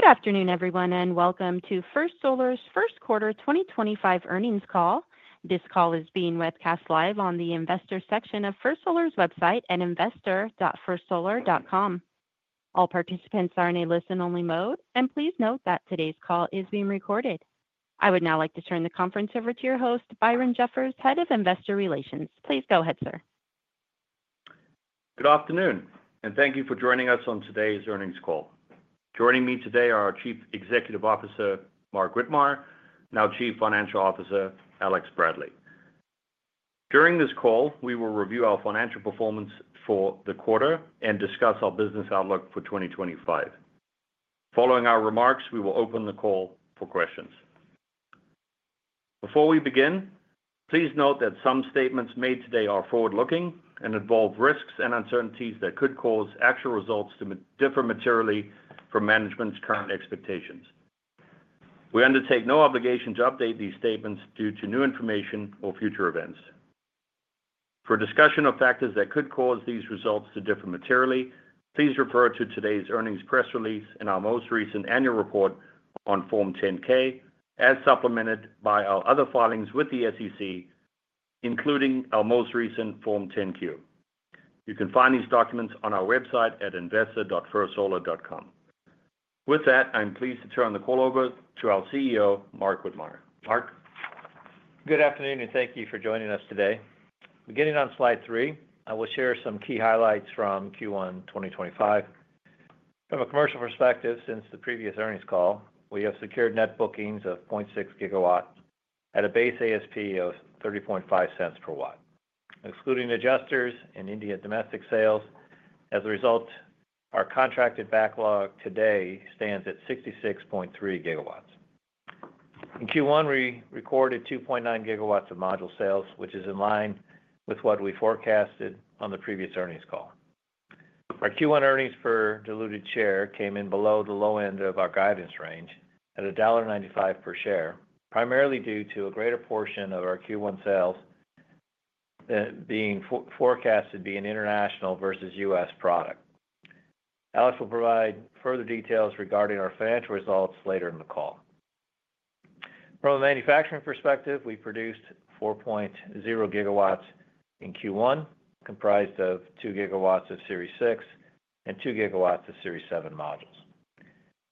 Good afternoon, everyone, and welcome to First Solar's first quarter 2025 earnings call. This call is being webcast live on the investor section of First Solar's website at investor.firstsolar.com. All participants are in a listen-only mode, and please note that today's call is being recorded. I would now like to turn the conference over to your host, Byron Jeffers, Head of Investor Relations. Please go ahead, sir. Good afternoon, and thank you for joining us on today's earnings call. Joining me today are our Chief Executive Officer, Mark Widmar, and our Chief Financial Officer, Alex Bradley. During this call, we will review our financial performance for the quarter and discuss our business outlook for 2025. Following our remarks, we will open the call for questions. Before we begin, please note that some statements made today are forward-looking and involve risks and uncertainties that could cause actual results to differ materially from management's current expectations. We undertake no obligation to update these statements due to new information or future events. For discussion of factors that could cause these results to differ materially, please refer to today's earnings press release and our most recent annual report on Form 10-K, as supplemented by our other filings with the SEC, including our most recent Form 10-Q. You can find these documents on our website at investor.firstsolar.com. With that, I'm pleased to turn the call over to our CEO, Mark Widmar. Mark. Good afternoon, and thank you for joining us today. Beginning on slide three, I will share some key highlights from Q1 2025. From a commercial perspective, since the previous earnings call, we have secured net bookings of 0.6 GW at a base ASP of $0.305 per watt, excluding adjusters and India domestic sales. As a result, our contracted backlog today stands at 66.3 GW. In Q1, we recorded 2.9 GW of module sales, which is in line with what we forecasted on the previous earnings call. Our Q1 earnings per diluted share came in below the low end of our guidance range at $1.95 per share, primarily due to a greater portion of our Q1 sales being forecast to be an international versus U.S. product. Alex will provide further details regarding our financial results later in the call. From a manufacturing perspective, we produced 4.0 GW in Q1, comprised of 2 GW of Series 6 and 2 GW of Series 7 modules.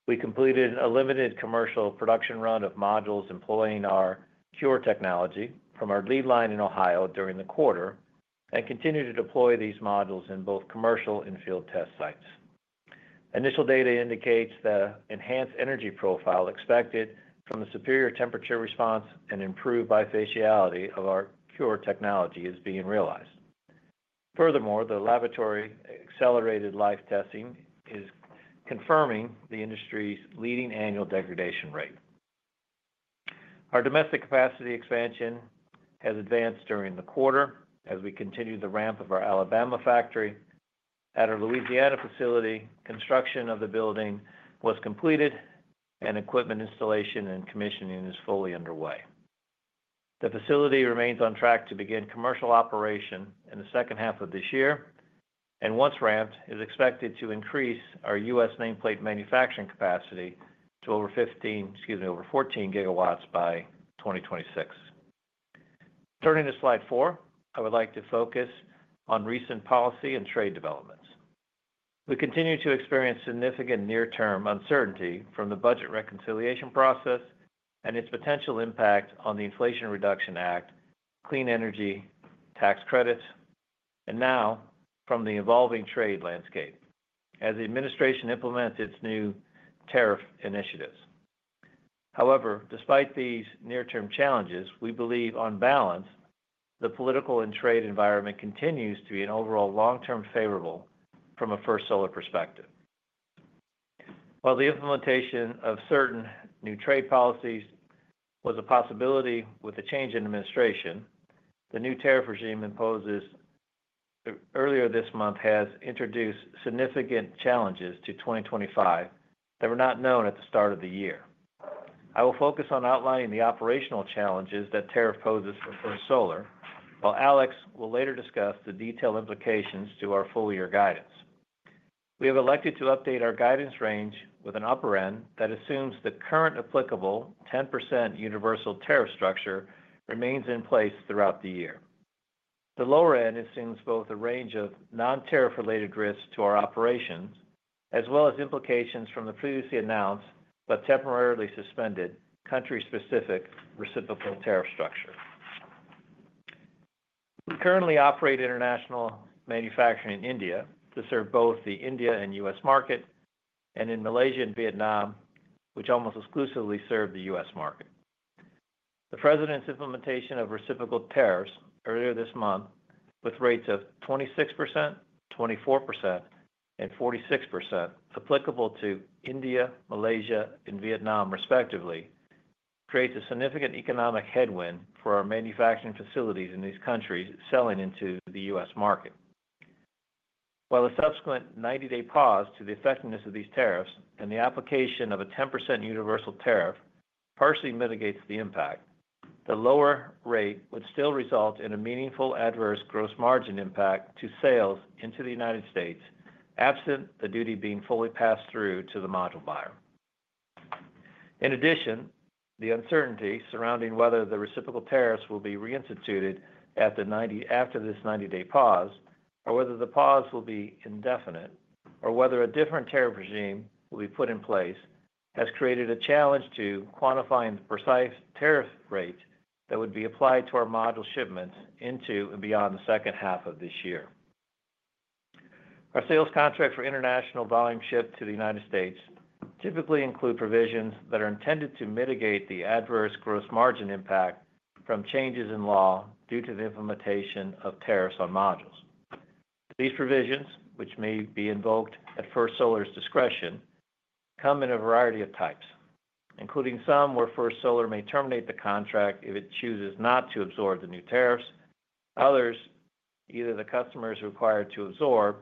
We completed a limited commercial production run of modules employing our CURE technology from our lead line in Ohio during the quarter and continue to deploy these modules in both commercial and field test sites. Initial data indicates the enhanced energy profile expected from the superior temperature response and improved bifaciality of our CURE technology is being realized. Furthermore, the laboratory accelerated life testing is confirming the industry's leading annual degradation rate. Our domestic capacity expansion has advanced during the quarter as we continue the ramp of our Alabama factory. At our Louisiana facility, construction of the building was completed, and equipment installation and commissioning is fully underway. The facility remains on track to begin commercial operation in the second half of this year, and once ramped, is expected to increase our U.S. nameplate manufacturing capacity to over 14 GW by 2026. Turning to slide four, I would like to focus on recent policy and trade developments. We continue to experience significant near-term uncertainty from the budget reconciliation process and its potential impact on the Inflation Reduction Act, clean energy tax credits, and now from the evolving trade landscape as the administration implements its new tariff initiatives. However, despite these near-term challenges, we believe on balance, the political and trade environment continues to be an overall long-term favorable from a First Solar perspective. While the implementation of certain new trade policies was a possibility with a change in administration, the new tariff regime imposed earlier this month has introduced significant challenges to 2025 that were not known at the start of the year. I will focus on outlining the operational challenges that tariff poses for First Solar, while Alex will later discuss the detailed implications to our full-year guidance. We have elected to update our guidance range with an upper end that assumes the current applicable 10% universal tariff structure remains in place throughout the year. The lower end assumes both a range of non-tariff-related risks to our operations, as well as implications from the previously announced but temporarily suspended country-specific reciprocal tariff structure. We currently operate international manufacturing in India to serve both the India and U.S. market, and in Malaysia and Vietnam, which almost exclusively serve the U.S. market. The president's implementation of reciprocal tariffs earlier this month, with rates of 26%, 24%, and 46% applicable to India, Malaysia, and Vietnam, respectively, creates a significant economic headwind for our manufacturing facilities in these countries selling into the U.S. market. While a subsequent 90-day pause to the effectiveness of these tariffs and the application of a 10% universal tariff partially mitigates the impact, the lower rate would still result in a meaningful adverse gross margin impact to sales into the United States, absent the duty being fully passed through to the module buyer. In addition, the uncertainty surrounding whether the reciprocal tariffs will be reinstituted after this 90-day pause, or whether the pause will be indefinite, or whether a different tariff regime will be put in place, has created a challenge to quantifying the precise tariff rate that would be applied to our module shipments into and beyond the second half of this year. Our sales contracts for international volume shipped to the United States typically include provisions that are intended to mitigate the adverse gross margin impact from changes in law due to the implementation of tariffs on modules. These provisions, which may be invoked at First Solar's discretion, come in a variety of types, including some where First Solar may terminate the contract if it chooses not to absorb the new tariffs, others either the customer is required to absorb,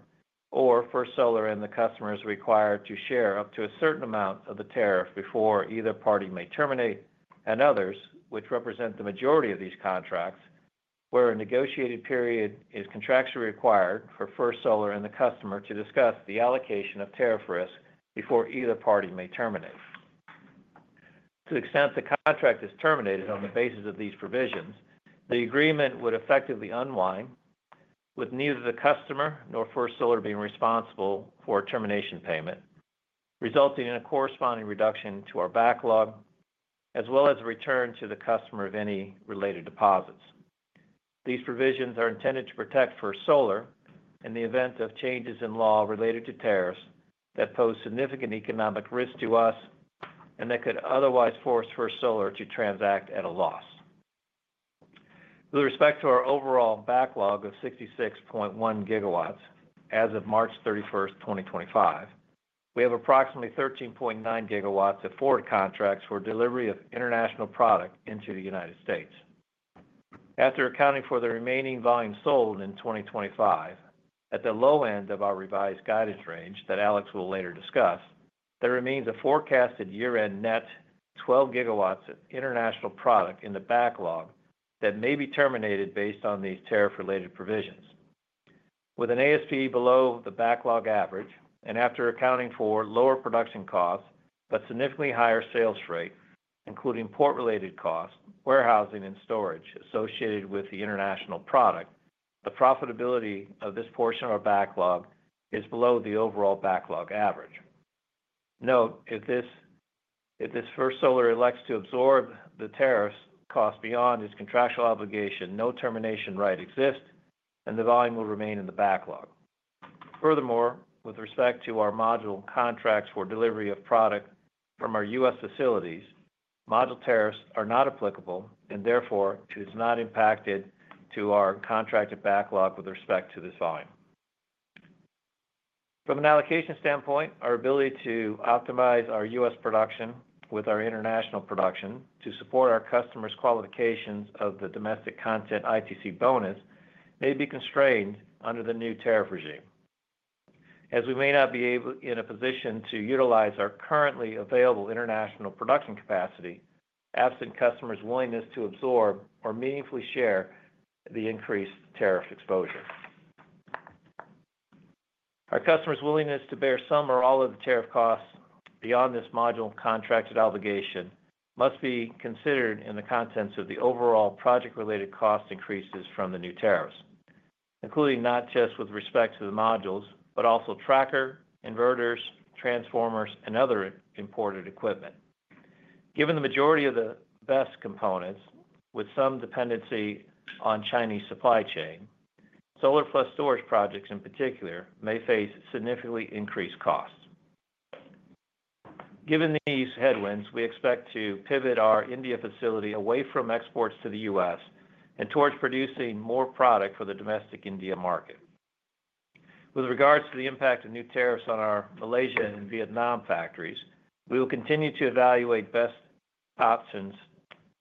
or First Solar and the customer are required to share up to a certain amount of the tariff before either party may terminate, and others, which represent the majority of these contracts, where a negotiated period is contractually required for First Solar and the customer to discuss the allocation of tariff risk before either party may terminate. To the extent the contract is terminated on the basis of these provisions, the agreement would effectively unwind, with neither the customer nor First Solar being responsible for termination payment, resulting in a corresponding reduction to our backlog, as well as a return to the customer of any related deposits. These provisions are intended to protect First Solar in the event of changes in law related to tariffs that pose significant economic risk to us and that could otherwise force First Solar to transact at a loss. With respect to our overall backlog of 66.1 GW as of March 31, 2025, we have approximately 13.9 GW of forward contracts for delivery of international product into the United States. After accounting for the remaining volume sold in 2025 at the low end of our revised guidance range that Alex will later discuss, there remains a forecasted year-end net 12 GW of international product in the backlog that may be terminated based on these tariff-related provisions. With an ASP below the backlog average, and after accounting for lower production costs but significantly higher sales rate, including port-related costs, warehousing, and storage associated with the international product, the profitability of this portion of our backlog is below the overall backlog average. Note, if First Solar elects to absorb the tariffs cost beyond its contractual obligation, no termination right exists, and the volume will remain in the backlog. Furthermore, with respect to our module contracts for delivery of product from our U.S. facilities, module tariffs are not applicable, and therefore it is not impacted to our contracted backlog with respect to this volume. From an allocation standpoint, our ability to optimize our U.S. Production with our international production to support our customers' qualifications of the domestic content ITC bonus may be constrained under the new tariff regime, as we may not be in a position to utilize our currently available international production capacity absent customers' willingness to absorb or meaningfully share the increased tariff exposure. Our customers' willingness to bear some or all of the tariff costs beyond this module contracted obligation must be considered in the context of the overall project-related cost increases from the new tariffs, including not just with respect to the modules, but also trackers, inverters, transformers, and other imported equipment. Given the majority of the balance of system components, with some dependency on Chinese supply chain, Solar Plus Storage projects, in particular, may face significantly increased costs. Given these headwinds, we expect to pivot our India facility away from exports to the U.S. and towards producing more product for the domestic India market. With regards to the impact of new tariffs on our Malaysia and Vietnam factories, we will continue to evaluate best options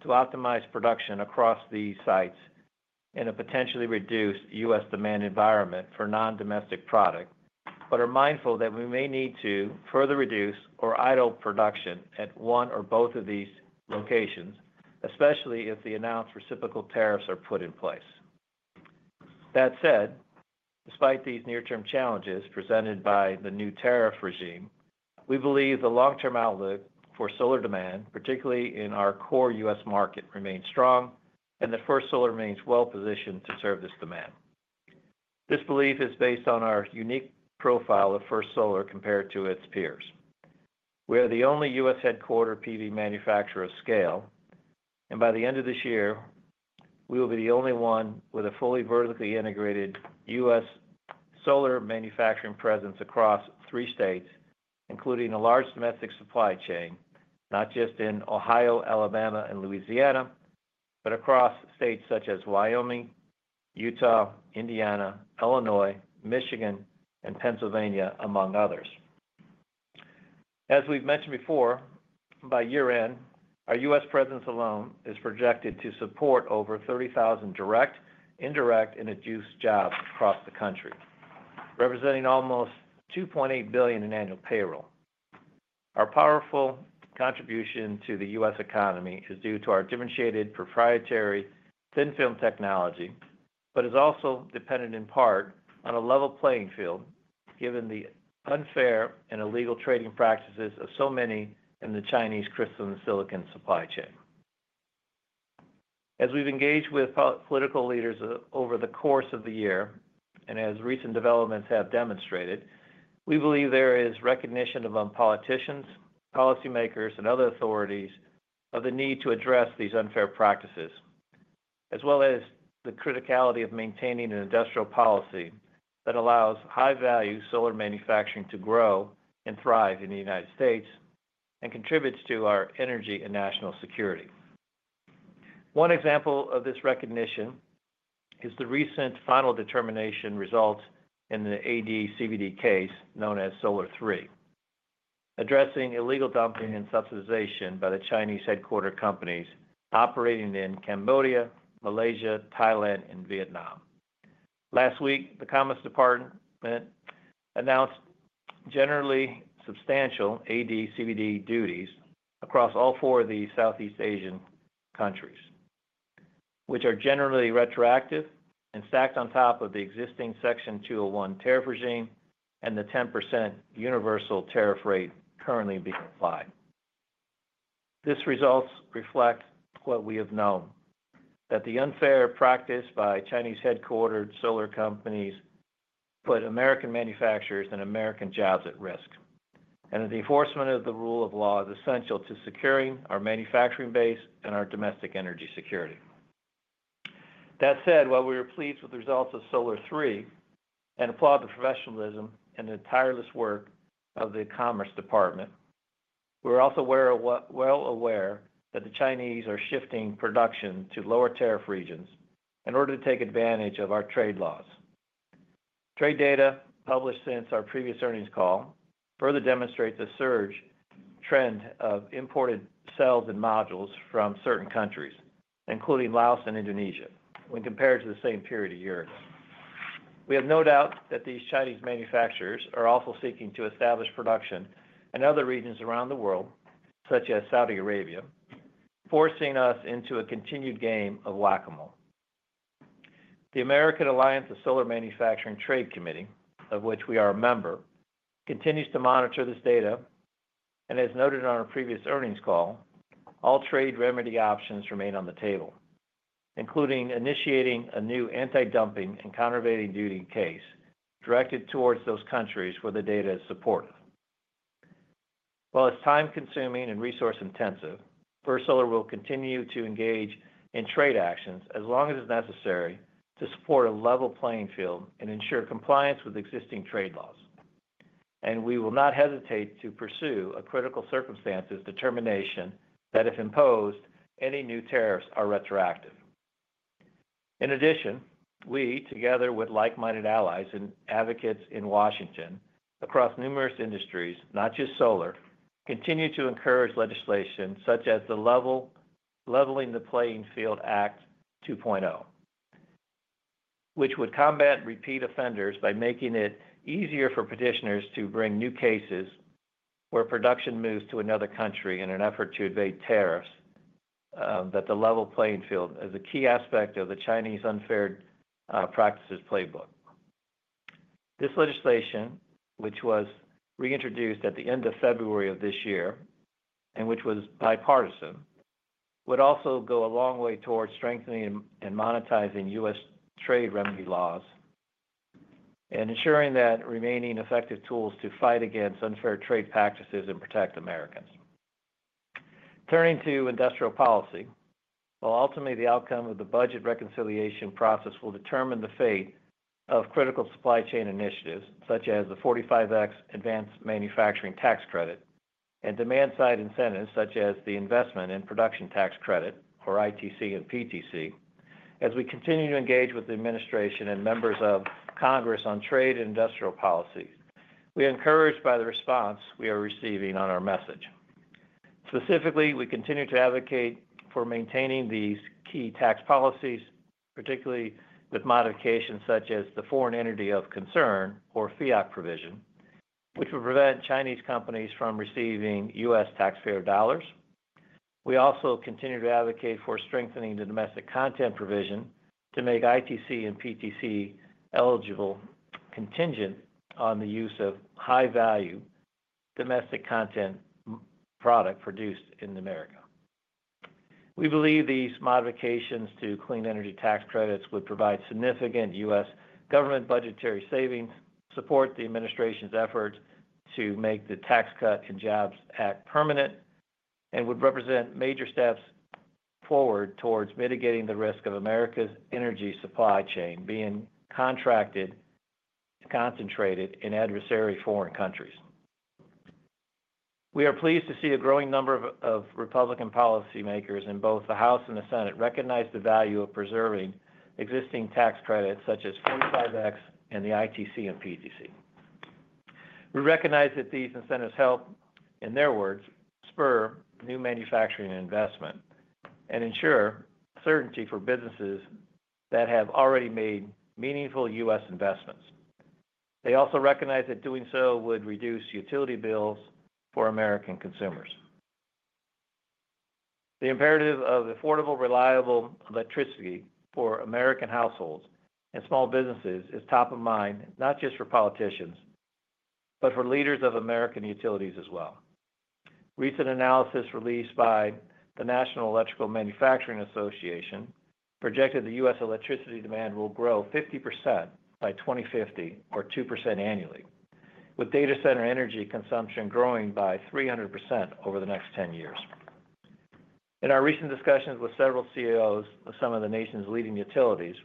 to optimize production across these sites in a potentially reduced U.S. demand environment for non-domestic product, but are mindful that we may need to further reduce or idle production at one or both of these locations, especially if the announced reciprocal tariffs are put in place. That said, despite these near-term challenges presented by the new tariff regime, we believe the long-term outlook for solar demand, particularly in our core U.S. market, remains strong, and that First Solar remains well-positioned to serve this demand. This belief is based on our unique profile of First Solar compared to its peers. We are the only U.S. Headquarter PV manufacturer of scale, and by the end of this year, we will be the only one with a fully vertically integrated U.S. solar manufacturing presence across three states, including a large domestic supply chain, not just in Ohio, Alabama, and Louisiana, but across states such as Wyoming, Utah, Indiana, Illinois, Michigan, and Pennsylvania, among others. As we've mentioned before, by year-end, our U.S. presence alone is projected to support over 30,000 direct, indirect, and induced jobs across the country, representing almost $2.8 billion in annual payroll. Our powerful contribution to the U.S. economy is due to our differentiated proprietary thin film technology, but is also dependent in part on a level playing field given the unfair and illegal trading practices of so many in the Chinese crystalline silicon supply chain. As we've engaged with political leaders over the course of the year, and as recent developments have demonstrated, we believe there is recognition among politicians, policymakers, and other authorities of the need to address these unfair practices, as well as the criticality of maintaining an industrial policy that allows high-value solar manufacturing to grow and thrive in the United States and contributes to our energy and national security. One example of this recognition is the recent final determination results in the AD/CVD case known as Solar 3, addressing illegal dumping and subsidization by the Chinese headquarter companies operating in Cambodia, Malaysia, Thailand, and Vietnam. Last week, the Commerce Department announced generally substantial AD/CVD duties across all four of the Southeast Asian countries, which are generally retroactive and stacked on top of the existing Section 201 tariff regime and the 10% universal tariff rate currently being applied. These results reflect what we have known, that the unfair practice by Chinese headquartered solar companies put American manufacturers and American jobs at risk, and that the enforcement of the rule of law is essential to securing our manufacturing base and our domestic energy security. That said, while we are pleased with the results of Solar 3 and applaud the professionalism and the tireless work of the Commerce Department, we are also well aware that the Chinese are shifting production to lower tariff regions in order to take advantage of our trade laws. Trade data published since our previous earnings call further demonstrates a surge trend of imported cells and modules from certain countries, including Laos and Indonesia, when compared to the same period a year ago. We have no doubt that these Chinese manufacturers are also seeking to establish production in other regions around the world, such as Saudi Arabia, forcing us into a continued game of whack-a-mole. The American Alliance of Solar Manufacturing Trade Committee, of which we are a member, continues to monitor this data, and as noted on our previous earnings call, all trade remedy options remain on the table, including initiating a new anti-dumping and contraband duty case directed towards those countries where the data is supportive. While it's time-consuming and resource-intensive, First Solar will continue to engage in trade actions as long as necessary to support a level playing field and ensure compliance with existing trade laws, and we will not hesitate to pursue a critical circumstances determination that, if imposed, any new tariffs are retroactive. In addition, we, together with like-minded allies and advocates in Washington across numerous industries, not just solar, continue to encourage legislation such as the Leveling the Playing Field Act 2.0, which would combat repeat offenders by making it easier for petitioners to bring new cases where production moves to another country in an effort to evade tariffs, that the level playing field is a key aspect of the Chinese unfair practices playbook. This legislation, which was reintroduced at the end of February of this year and which was bipartisan, would also go a long way towards strengthening and monetizing U.S. trade remedy laws and ensuring that remaining effective tools to fight against unfair trade practices and protect Americans. Turning to industrial policy, while ultimately the outcome of the budget reconciliation process will determine the fate of critical supply chain initiatives such as the 45X Advanced Manufacturing Tax Credit and demand-side incentives such as the Investment and Production Tax Credit, or ITC and PTC, as we continue to engage with the administration and members of Congress on trade and industrial policies, we are encouraged by the response we are receiving on our message. Specifically, we continue to advocate for maintaining these key tax policies, particularly with modifications such as the Foreign Entity of Concern, or FEOC provision, which will prevent Chinese companies from receiving U.S. taxpayer dollars. We also continue to advocate for strengthening the domestic content provision to make ITC and PTC eligible contingent on the use of high-value domestic content product produced in America. We believe these modifications to clean energy tax credits would provide significant U.S. Government budgetary savings, support the administration's efforts to make the Tax Cut and Jobs Act permanent, and would represent major steps forward towards mitigating the risk of America's energy supply chain being contracted and concentrated in adversary foreign countries. We are pleased to see a growing number of Republican policymakers in both the House and the Senate recognize the value of preserving existing tax credits such as 45X and the ITC and PTC. We recognize that these incentives help, in their words, spur new manufacturing and investment and ensure certainty for businesses that have already made meaningful U.S. investments. They also recognize that doing so would reduce utility bills for American consumers. The imperative of affordable, reliable electricity for American households and small businesses is top of mind, not just for politicians, but for leaders of American utilities as well. Recent analysis released by the National Electrical Manufacturing Association projected the U.S. electricity demand will grow 50% by 2050, or 2% annually, with data center energy consumption growing by 300% over the next 10 years. In our recent discussions with several CEOs of some of the nation's leading utilities,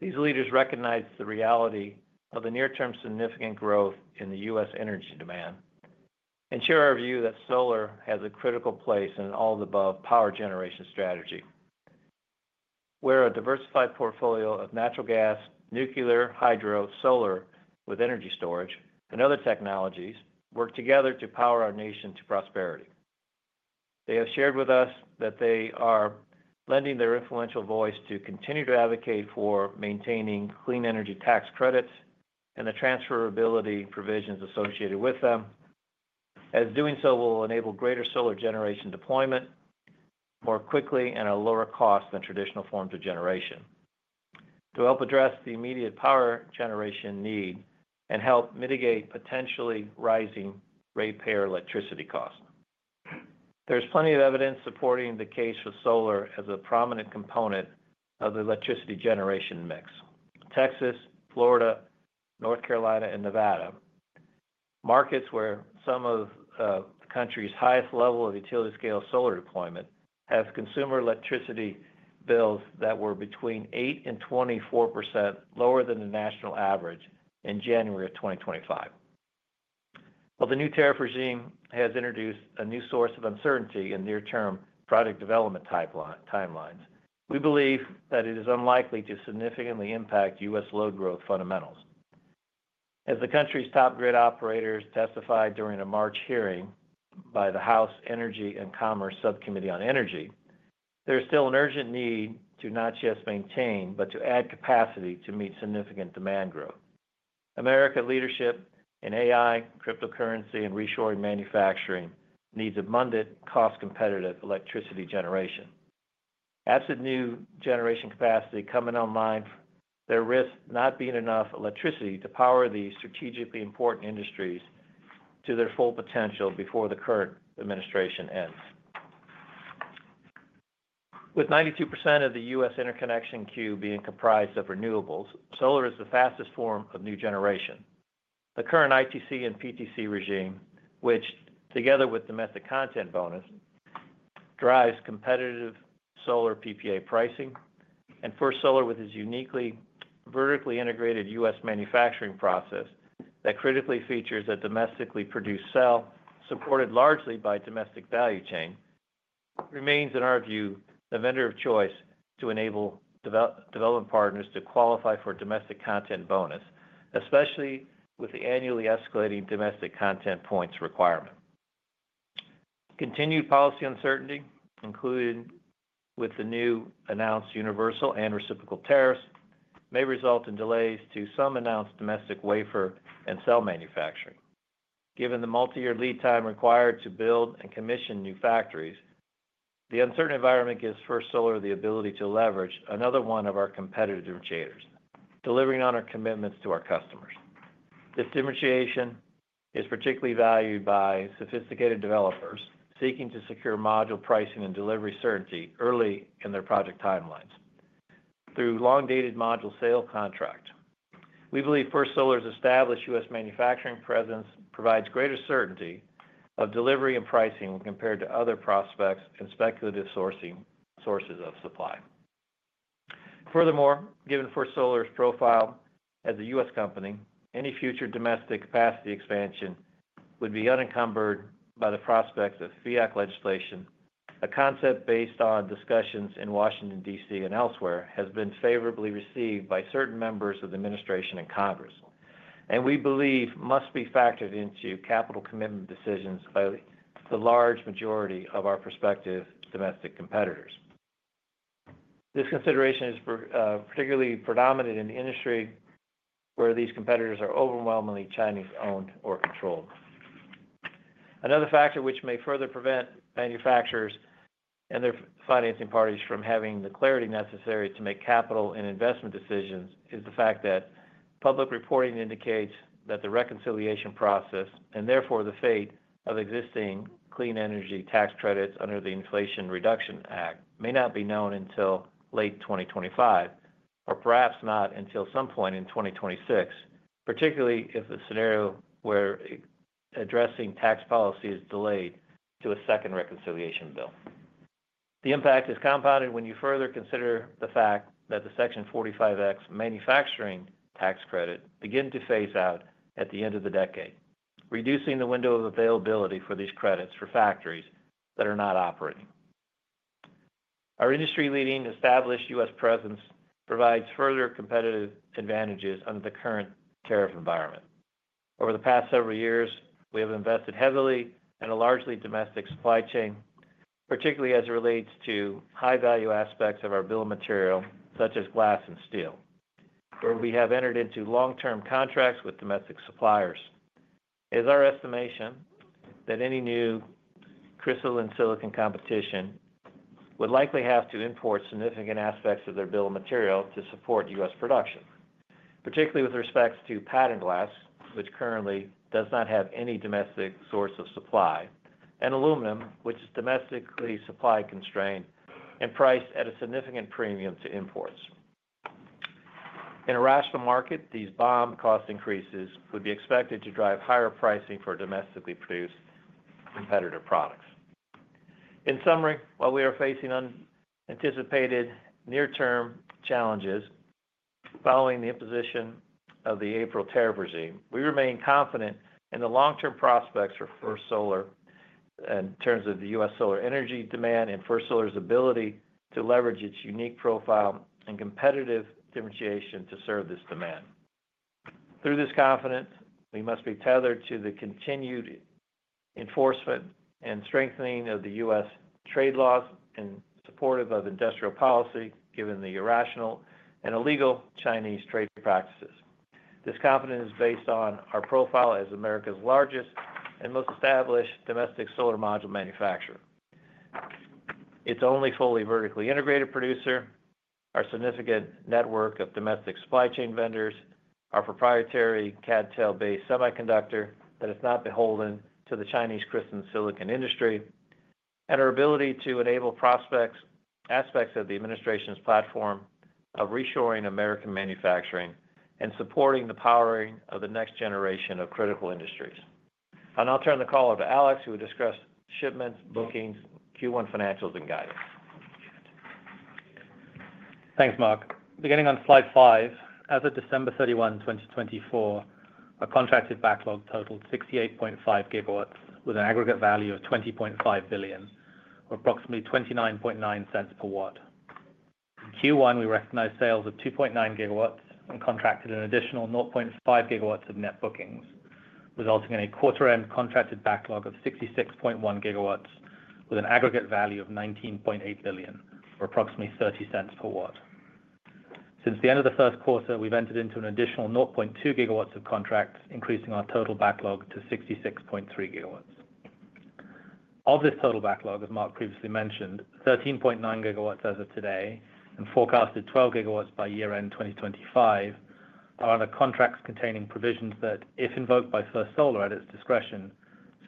these leaders recognize the reality of the near-term significant growth in the U.S. energy demand and share our view that solar has a critical place in all of the above power generation strategy, where a diversified portfolio of natural gas, nuclear, hydro, solar, with energy storage, and other technologies work together to power our nation to prosperity. They have shared with us that they are lending their influential voice to continue to advocate for maintaining clean energy tax credits and the transferability provisions associated with them, as doing so will enable greater solar generation deployment more quickly and at a lower cost than traditional forms of generation, to help address the immediate power generation need and help mitigate potentially rising rate-payer electricity costs. There's plenty of evidence supporting the case for solar as a prominent component of the electricity generation mix. Texas, Florida, North Carolina, and Nevada are markets where some of the country's highest level of utility-scale solar deployment have consumer electricity bills that were between 8% and 24% lower than the national average in January of 2025. While the new tariff regime has introduced a new source of uncertainty in near-term project development timelines, we believe that it is unlikely to significantly impact U.S. Load growth fundamentals. As the country's top grid operators testified during a March hearing by the House Energy and Commerce Subcommittee on Energy, there is still an urgent need to not just maintain, but to add capacity to meet significant demand growth. America's leadership in AI, cryptocurrency, and reshoring manufacturing needs abundant, cost-competitive electricity generation. Absent new generation capacity coming online, there risks not being enough electricity to power these strategically important industries to their full potential before the current administration ends. With 92% of the U.S. interconnection queue being comprised of renewables, solar is the fastest form of new generation. The current ITC and PTC regime, which, together with domestic content bonus, drives competitive solar PPA pricing, and First Solar with its uniquely vertically integrated U.S. manufacturing process that critically features a domestically produced cell supported largely by domestic value chain, remains, in our view, the vendor of choice to enable development partners to qualify for domestic content bonus, especially with the annually escalating domestic content points requirement. Continued policy uncertainty, including with the new announced universal and reciprocal tariffs, may result in delays to some announced domestic wafer and cell manufacturing. Given the multi-year lead time required to build and commission new factories, the uncertain environment gives First Solar the ability to leverage another one of our competitive differentiators, delivering on our commitments to our customers. This differentiation is particularly valued by sophisticated developers seeking to secure module pricing and delivery certainty early in their project timelines through long-dated module sale contracts. We believe First Solar's established U.S. Manufacturing presence provides greater certainty of delivery and pricing when compared to other prospects and speculative sources of supply. Furthermore, given First Solar's profile as a U.S. company, any future domestic capacity expansion would be unencumbered by the prospects of FEOC legislation. A concept based on discussions in Washington, D.C., and elsewhere has been favorably received by certain members of the administration and Congress, and we believe must be factored into capital commitment decisions by the large majority of our prospective domestic competitors. This consideration is particularly predominant in the industry where these competitors are overwhelmingly Chinese-owned or controlled. Another factor which may further prevent manufacturers and their financing parties from having the clarity necessary to make capital and investment decisions is the fact that public reporting indicates that the reconciliation process, and therefore the fate of existing clean energy tax credits under the Inflation Reduction Act, may not be known until late 2025, or perhaps not until some point in 2026, particularly if the scenario where addressing tax policy is delayed to a second reconciliation bill. The impact is compounded when you further consider the fact that the Section 45X manufacturing tax credit began to phase out at the end of the decade, reducing the window of availability for these credits for factories that are not operating. Our industry-leading established U.S. presence provides further competitive advantages under the current tariff environment. Over the past several years, we have invested heavily in a largely domestic supply chain, particularly as it relates to high-value aspects of our bill of material, such as glass and steel, where we have entered into long-term contracts with domestic suppliers. It is our estimation that any new crystalline silicon competition would likely have to import significant aspects of their bill of material to support U.S. production, particularly with respect to patent glass, which currently does not have any domestic source of supply, and aluminum, which is domestically supply-constrained and priced at a significant premium to imports. In a rational market, these bill of material cost increases would be expected to drive higher pricing for domestically produced competitive products. In summary, while we are facing unanticipated near-term challenges following the imposition of the April tariff regime, we remain confident in the long-term prospects for First Solar in terms of the U.S. Solar energy demand and First Solar's ability to leverage its unique profile and competitive differentiation to serve this demand. Through this confidence, we must be tethered to the continued enforcement and strengthening of U.S. trade laws in support of industrial policy, given the irrational and illegal Chinese trade practices. This confidence is based on our profile as America's largest and most established domestic solar module manufacturer, its only fully vertically integrated producer, our significant network of domestic supply chain vendors, our proprietary CAD/TEL-based semiconductor that is not beholden to the Chinese crystalline silicon industry, and our ability to enable prospects aspects of the administration's platform of reshoring American manufacturing and supporting the powering of the next generation of critical industries. I'll turn the call over to Alex, who will discuss shipments, bookings, Q1 financials, and guidance. Thanks, Mark. Beginning on slide five, as of December 31, 2024, our contracted backlog totaled 68.5 GW with an aggregate value of $20.5 billion, or approximately $0.299 per watt. In Q1, we recognized sales of 2.9 GW and contracted an additional 0.5 GW of net bookings, resulting in a quarter-end contracted backlog of 66.1 GW with an aggregate value of $19.8 billion, or approximately $0.30 per watt. Since the end of the first quarter, we've entered into an additional 0.2 GW of contracts, increasing our total backlog to 66.3 GW. Of this total backlog, as Mark previously mentioned, 13.9 GW as of today and forecasted 12 GW by year-end 2025 are under contracts containing provisions that, if invoked by First Solar at its discretion,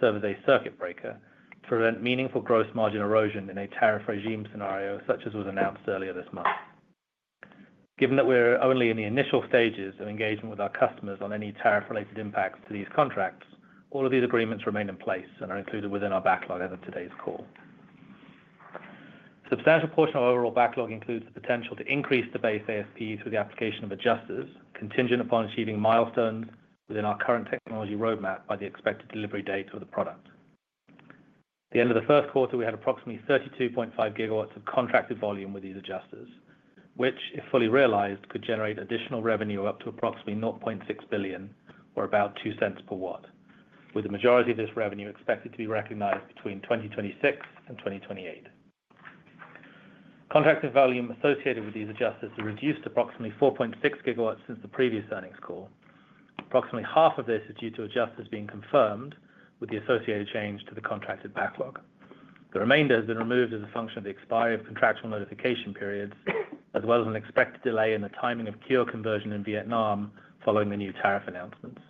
serve as a circuit breaker to prevent meaningful gross margin erosion in a tariff regime scenario such as was announced earlier this month. Given that we're only in the initial stages of engagement with our customers on any tariff-related impacts to these contracts, all of these agreements remain in place and are included within our backlog as of today's call. A substantial portion of our overall backlog includes the potential to increase the base ASP through the application of adjusters, contingent upon achieving milestones within our current technology roadmap by the expected delivery date of the product. At the end of the first quarter, we had approximately 32.5 GW of contracted volume with these adjusters, which, if fully realized, could generate additional revenue of up to approximately $0.6 billion, or about 2 cents per watt, with the majority of this revenue expected to be recognized between 2026 and 2028. Contracted volume associated with these adjusters has reduced to approximately 4.6 GW since the previous earnings call. Approximately half of this is due to adjusters being confirmed with the associated change to the contracted backlog. The remainder has been removed as a function of the expiry of contractual notification periods, as well as an expected delay in the timing of KEO conversion in Vietnam following the new tariff announcements.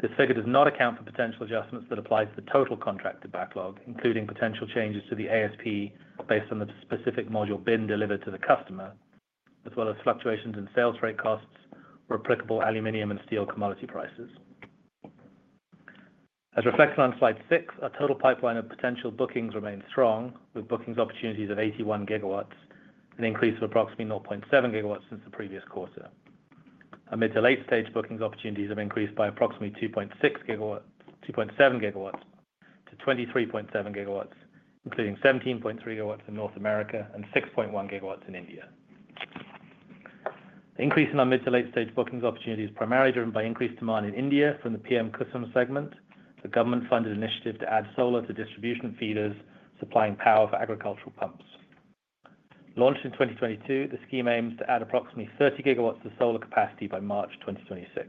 This figure does not account for potential adjustments that apply to the total contracted backlog, including potential changes to the ASP based on the specific module bin delivered to the customer, as well as fluctuations in sales rate costs or applicable aluminum and steel commodity prices. As reflected on slide six, our total pipeline of potential bookings remains strong, with bookings opportunities of 81 GW and an increase of approximately 0.7 GW since the previous quarter. Our mid-to-late-stage bookings opportunities have increased by approximately 2.7 GW to 23.7 GW, including 17.3 GW in North America and 6.1 GW in India. The increase in our mid-to-late-stage bookings opportunity is primarily driven by increased demand in India from the PM KUSUM segment, a government-funded initiative to add solar to distribution feeders supplying power for agricultural pumps. Launched in 2022, the scheme aims to add approximately 30 GW of solar capacity by March 2026.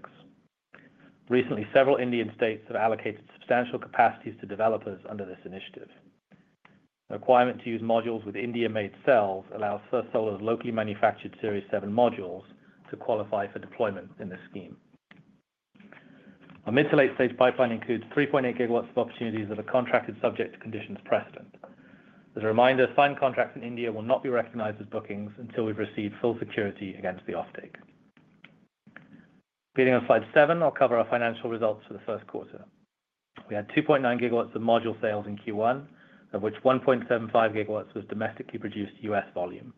Recently, several Indian states have allocated substantial capacities to developers under this initiative. The requirement to use modules with India-made cells allows First Solar's locally manufactured Series 7 modules to qualify for deployment in the scheme. Our mid-to-late-stage pipeline includes 3.8 GW of opportunities that are contracted subject to conditions precedent. As a reminder, signed contracts in India will not be recognized as bookings until we've received full security against the offtake. Beginning on slide seven, I'll cover our financial results for the first quarter. We had 2.9 GW of module sales in Q1, of which 1.75 GW was domestically produced U.S. volume.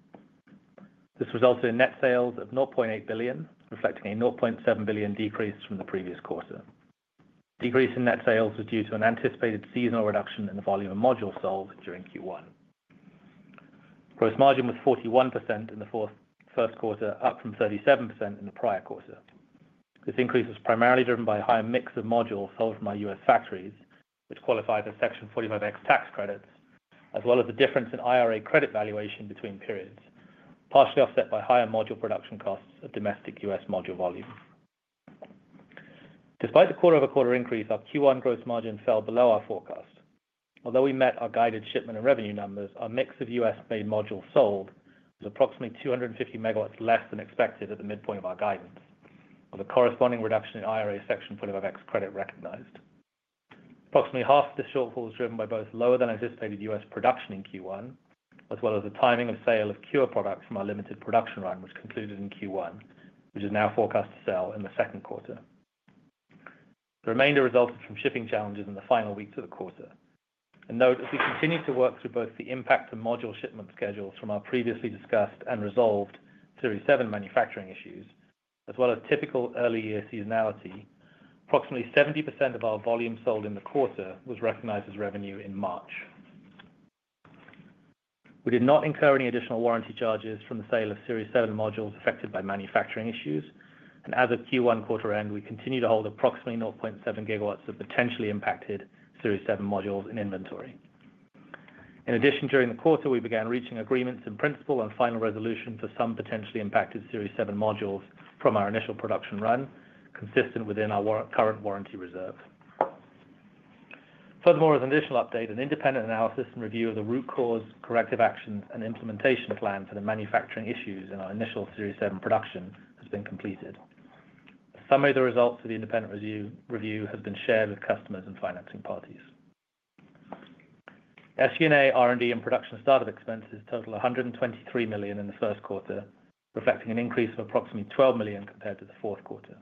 This resulted in net sales of $0.8 billion, reflecting a $0.7 billion decrease from the previous quarter. The decrease in net sales was due to an anticipated seasonal reduction in the volume of modules sold during Q1. Gross margin was 41% in the first quarter, up from 37% in the prior quarter. This increase was primarily driven by a higher mix of modules sold from our U.S. factories, which qualify for Section 45X tax credits, as well as the difference in IRA credit valuation between periods, partially offset by higher module production costs of domestic U.S. module volume. Despite the quarter-over-quarter increase, our Q1 gross margin fell below our forecast. Although we met our guided shipment and revenue numbers, our mix of U.S.-made modules sold was approximately 250 megawatts less than expected at the midpoint of our guidance, with a corresponding reduction in IRA Section 45X credit recognized. Approximately half of this shortfall was driven by both lower-than-anticipated U.S. production in Q1, as well as the timing of sale of KEO products from our limited production run, which concluded in Q1, which is now forecast to sell in the second quarter. The remainder resulted from shipping challenges in the final weeks of the quarter. As we continue to work through both the impact of module shipment schedules from our previously discussed and resolved Series 7 manufacturing issues, as well as typical early-year seasonality, approximately 70% of our volume sold in the quarter was recognized as revenue in March. We did not incur any additional warranty charges from the sale of Series 7 modules affected by manufacturing issues. As of Q1 quarter end, we continue to hold approximately 0.7 GW of potentially impacted Series 7 modules in inventory. In addition, during the quarter, we began reaching agreements in principle on final resolution for some potentially impacted Series 7 modules from our initial production run, consistent within our current warranty reserve. Furthermore, as an additional update, an independent analysis and review of the root cause corrective actions and implementation plan for the manufacturing issues in our initial Series 7 production has been completed. A summary of the results of the independent review has been shared with customers and financing parties. SG&A, R&D, and production startup expenses totaled $123 million in the first quarter, reflecting an increase of approximately $12 million compared to the fourth quarter.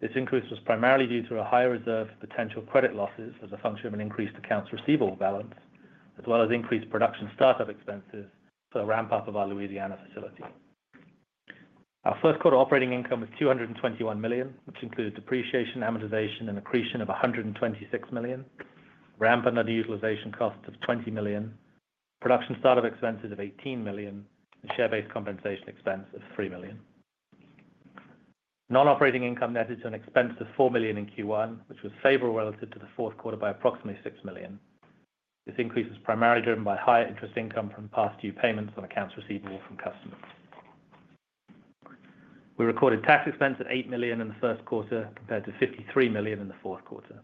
This increase was primarily due to a higher reserve for potential credit losses as a function of an increased accounts receivable balance, as well as increased production startup expenses for the ramp-up of our Louisiana facility. Our first quarter operating income was $221 million, which included depreciation, amortization, and accretion of $126 million, ramp-up and other utilization costs of $20 million, production startup expenses of $18 million, and share-based compensation expense of $3 million. Non-operating income netted to an expense of $4 million in Q1, which was favorable relative to the fourth quarter by approximately $6 million. This increase was primarily driven by higher interest income from past due payments on accounts receivable from customers. We recorded tax expense at $8 million in the first quarter compared to $53 million in the fourth quarter.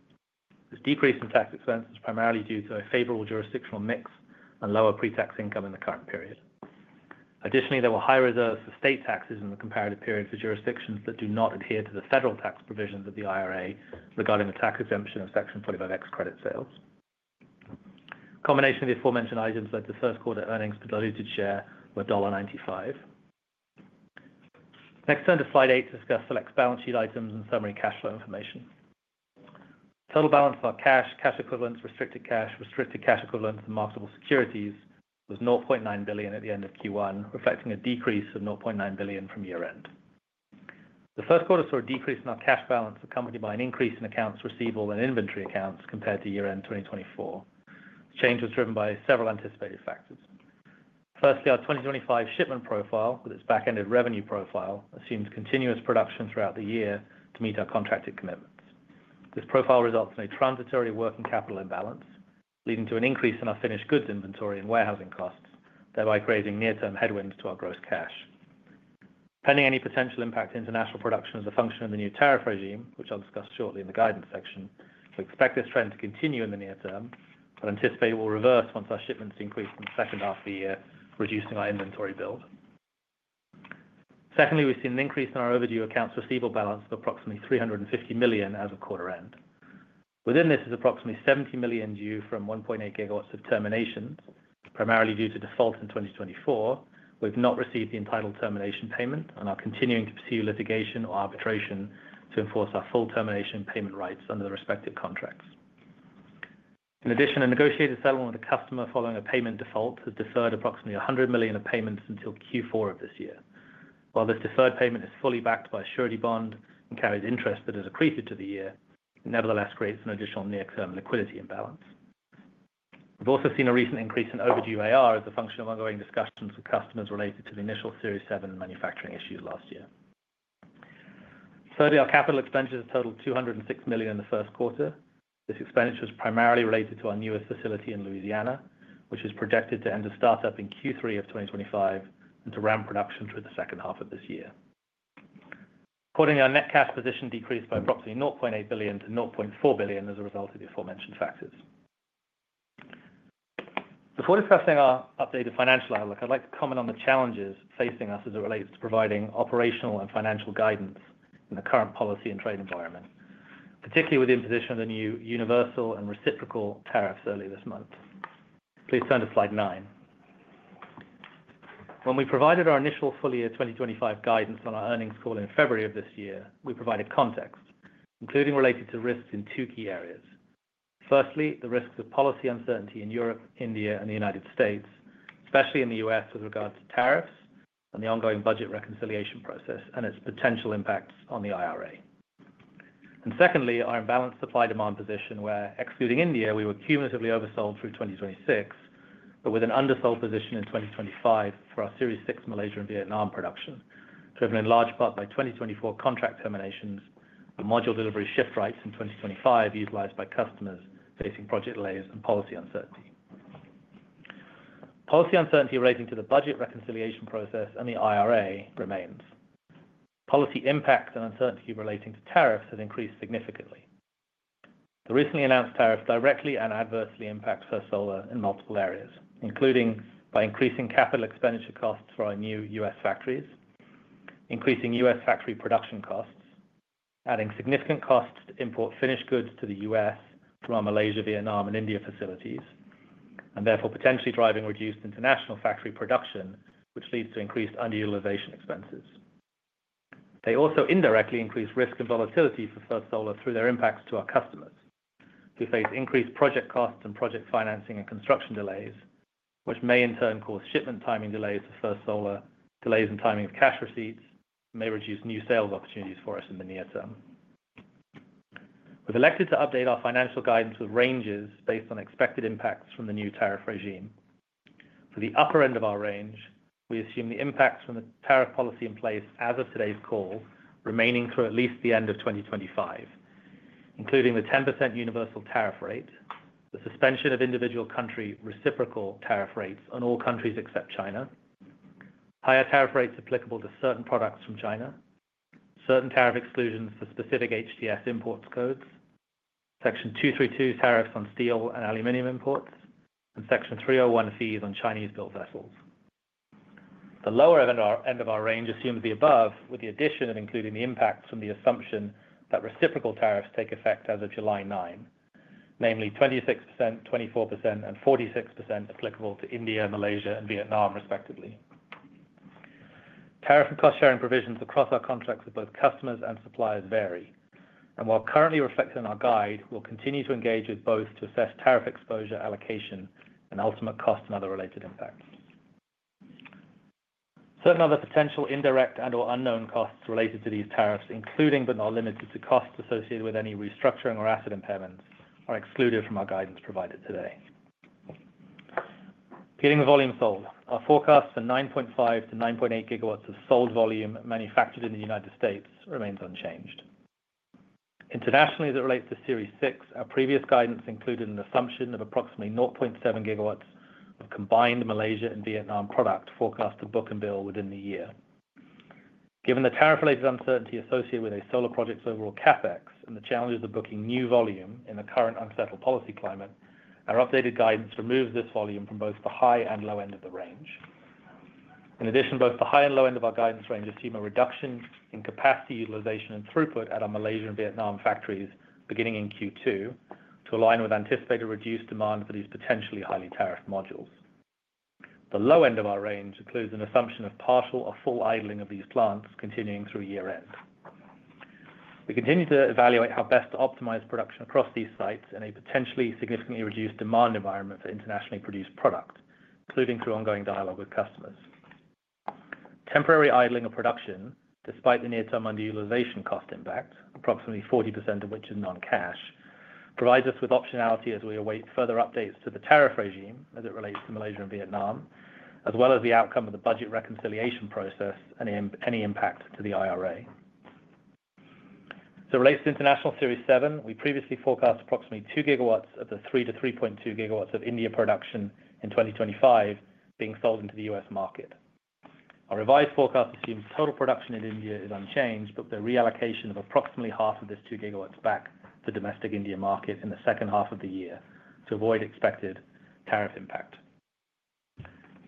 This decrease in tax expense was primarily due to a favorable jurisdictional mix and lower pre-tax income in the current period. Additionally, there were high reserves for state taxes in the comparative period for jurisdictions that do not adhere to the federal tax provisions of the IRA regarding the tax exemption of Section 45X credit sales. Combination of the aforementioned items led to first quarter earnings for diluted share of $1.95. Next, turn to slide eight to discuss select balance sheet items and summary cash flow information. Total balance for our cash, cash equivalents, restricted cash, restricted cash equivalents, and marketable securities was $0.9 billion at the end of Q1, reflecting a decrease of $0.9 billion from year-end. The first quarter saw a decrease in our cash balance accompanied by an increase in accounts receivable and inventory accounts compared to year-end 2024. The change was driven by several anticipated factors. Firstly, our 2025 shipment profile, with its back-ended revenue profile, assumed continuous production throughout the year to meet our contracted commitments. This profile results in a transitory working capital imbalance, leading to an increase in our finished goods inventory and warehousing costs, thereby creating near-term headwinds to our gross cash. Pending any potential impact to international production as a function of the new tariff regime, which I'll discuss shortly in the guidance section, we expect this trend to continue in the near term, but anticipate it will reverse once our shipments increase in the second half of the year, reducing our inventory build. Secondly, we've seen an increase in our overdue accounts receivable balance of approximately $350 million as of quarter end. Within this is approximately $70 million due from 1.8 GW of terminations, primarily due to default in 2024. We've not received the entitled termination payment, and are continuing to pursue litigation or arbitration to enforce our full termination payment rights under the respective contracts. In addition, a negotiated settlement with a customer following a payment default has deferred approximately $100 million of payments until Q4 of this year. While this deferred payment is fully backed by a surety bond and carries interest that has accreted to the year, it nevertheless creates an additional near-term liquidity imbalance. We've also seen a recent increase in overdue AR as a function of ongoing discussions with customers related to the initial Series 7 manufacturing issues last year. Thirdly, our capital expenditures totaled $206 million in the first quarter. This expenditure is primarily related to our newest facility in Louisiana, which is projected to enter startup in Q3 of 2025 and to ramp production through the second half of this year. Accordingly, our net cash position decreased by approximately $0.8 billion to $0.4 billion as a result of the aforementioned factors. Before discussing our updated financial outlook, I'd like to comment on the challenges facing us as it relates to providing operational and financial guidance in the current policy and trade environment, particularly with the imposition of the new universal and reciprocal tariffs early this month. Please turn to slide nine. When we provided our initial full year 2025 guidance on our earnings call in February of this year, we provided context, including related to risks in two key areas. Firstly, the risks of policy uncertainty in Europe, India, and the United States, especially in the U.S. with regard to tariffs and the ongoing budget reconciliation process and its potential impacts on the IRA. Secondly, our imbalanced supply-demand position where, excluding India, we were cumulatively oversold through 2026, but with an undersold position in 2025 for our Series 6 Malaysia and Vietnam production, driven in large part by 2024 contract terminations and module delivery shift rights in 2025 utilized by customers facing project delays and policy uncertainty. Policy uncertainty relating to the budget reconciliation process and the IRA remains. Policy impact and uncertainty relating to tariffs have increased significantly. The recently announced tariffs directly and adversely impact First Solar in multiple areas, including by increasing capital expenditure costs for our new U.S. factories, increasing U.S. factory production costs, adding significant costs to import finished goods to the U.S. from our Malaysia, Vietnam, and India facilities, and therefore potentially driving reduced international factory production, which leads to increased underutilization expenses. They also indirectly increase risk and volatility for First Solar through their impacts to our customers, who face increased project costs and project financing and construction delays, which may in turn cause shipment timing delays for First Solar, delays in timing of cash receipts, and may reduce new sales opportunities for us in the near term. We've elected to update our financial guidance with ranges based on expected impacts from the new tariff regime. For the upper end of our range, we assume the impacts from the tariff policy in place as of today's call remain through at least the end of 2025, including the 10% universal tariff rate, the suspension of individual country reciprocal tariff rates on all countries except China, higher tariff rates applicable to certain products from China, certain tariff exclusions for specific HTS import codes, Section 232 tariffs on steel and aluminum imports, and Section 301 fees on Chinese-built vessels. The lower end of our range assumes the above, with the addition of including the impacts from the assumption that reciprocal tariffs take effect as of July 9, namely 26%, 24%, and 46% applicable to India, Malaysia, and Vietnam, respectively. Tariff and cost-sharing provisions across our contracts with both customers and suppliers vary. While currently reflected in our guide, we will continue to engage with both to assess tariff exposure allocation and ultimate cost and other related impacts. Certain other potential indirect and/or unknown costs related to these tariffs, including but not limited to costs associated with any restructuring or asset impairments, are excluded from our guidance provided today. Beginning with volume sold, our forecast for 9.5-9.8 GW of sold volume manufactured in the United States remains unchanged. Internationally, as it relates to Series 6, our previous guidance included an assumption of approximately 0.7 GW of combined Malaysia and Vietnam product forecast to book and bill within the year. Given the tariff-related uncertainty associated with a solar project's overall CapEx and the challenges of booking new volume in the current unsettled policy climate, our updated guidance removes this volume from both the high and low end of the range. In addition, both the high and low end of our guidance range assume a reduction in capacity utilization and throughput at our Malaysia and Vietnam factories beginning in Q2 to align with anticipated reduced demand for these potentially highly tariffed modules. The low end of our range includes an assumption of partial or full idling of these plants continuing through year-end. We continue to evaluate how best to optimize production across these sites in a potentially significantly reduced demand environment for internationally produced product, including through ongoing dialogue with customers. Temporary idling of production, despite the near-term underutilization cost impact, approximately 40% of which is non-cash, provides us with optionality as we await further updates to the tariff regime as it relates to Malaysia and Vietnam, as well as the outcome of the budget reconciliation process and any impact to the IRA. As it relates to international Series 7, we previously forecast approximately 2 GW of the 3 to 3.2 GW of India production in 2025 being sold into the U.S. market. Our revised forecast assumes total production in India is unchanged, but the reallocation of approximately half of this 2 GW back to the domestic India market in the second half of the year to avoid expected tariff impact.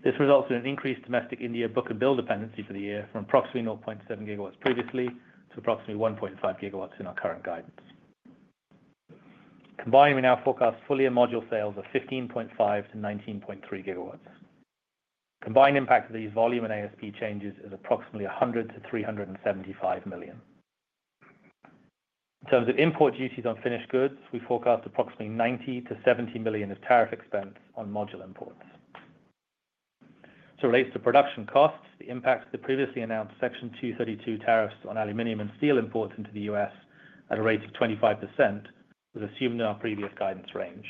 This results in an increased domestic India book and bill dependency for the year from approximately 0.7 GW previously to approximately 1.5 GW in our current guidance. Combined, we now forecast fully and module sales of 15.5 to 19.3 GW. Combined impact of these volume and ASP changes is approximately $100 million to $375 million. In terms of import duties on finished goods, we forecast approximately $90 million to $70 million of tariff expense on module imports. As it relates to production costs, the impact of the previously announced Section 232 tariffs on aluminum and steel imports into the U.S. at a rate of 25% was assumed in our previous guidance range.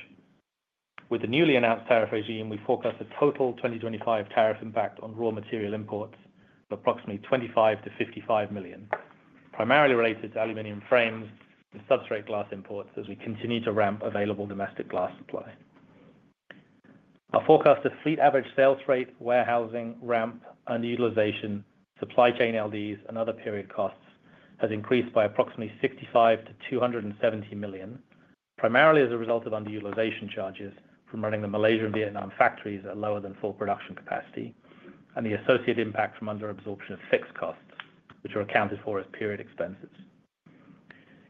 With the newly announced tariff regime, we forecast a total 2025 tariff impact on raw material imports of approximately $25 million to $55 million, primarily related to aluminum frames and substrate glass imports as we continue to ramp available domestic glass supply. Our forecast of fleet average sales rate, warehousing, ramp, underutilization, supply chain LDs, and other period costs has increased by approximately $65 million to $270 million, primarily as a result of underutilization charges from running the Malaysia and Vietnam factories at lower than full production capacity and the associated impact from under absorption of fixed costs, which are accounted for as period expenses.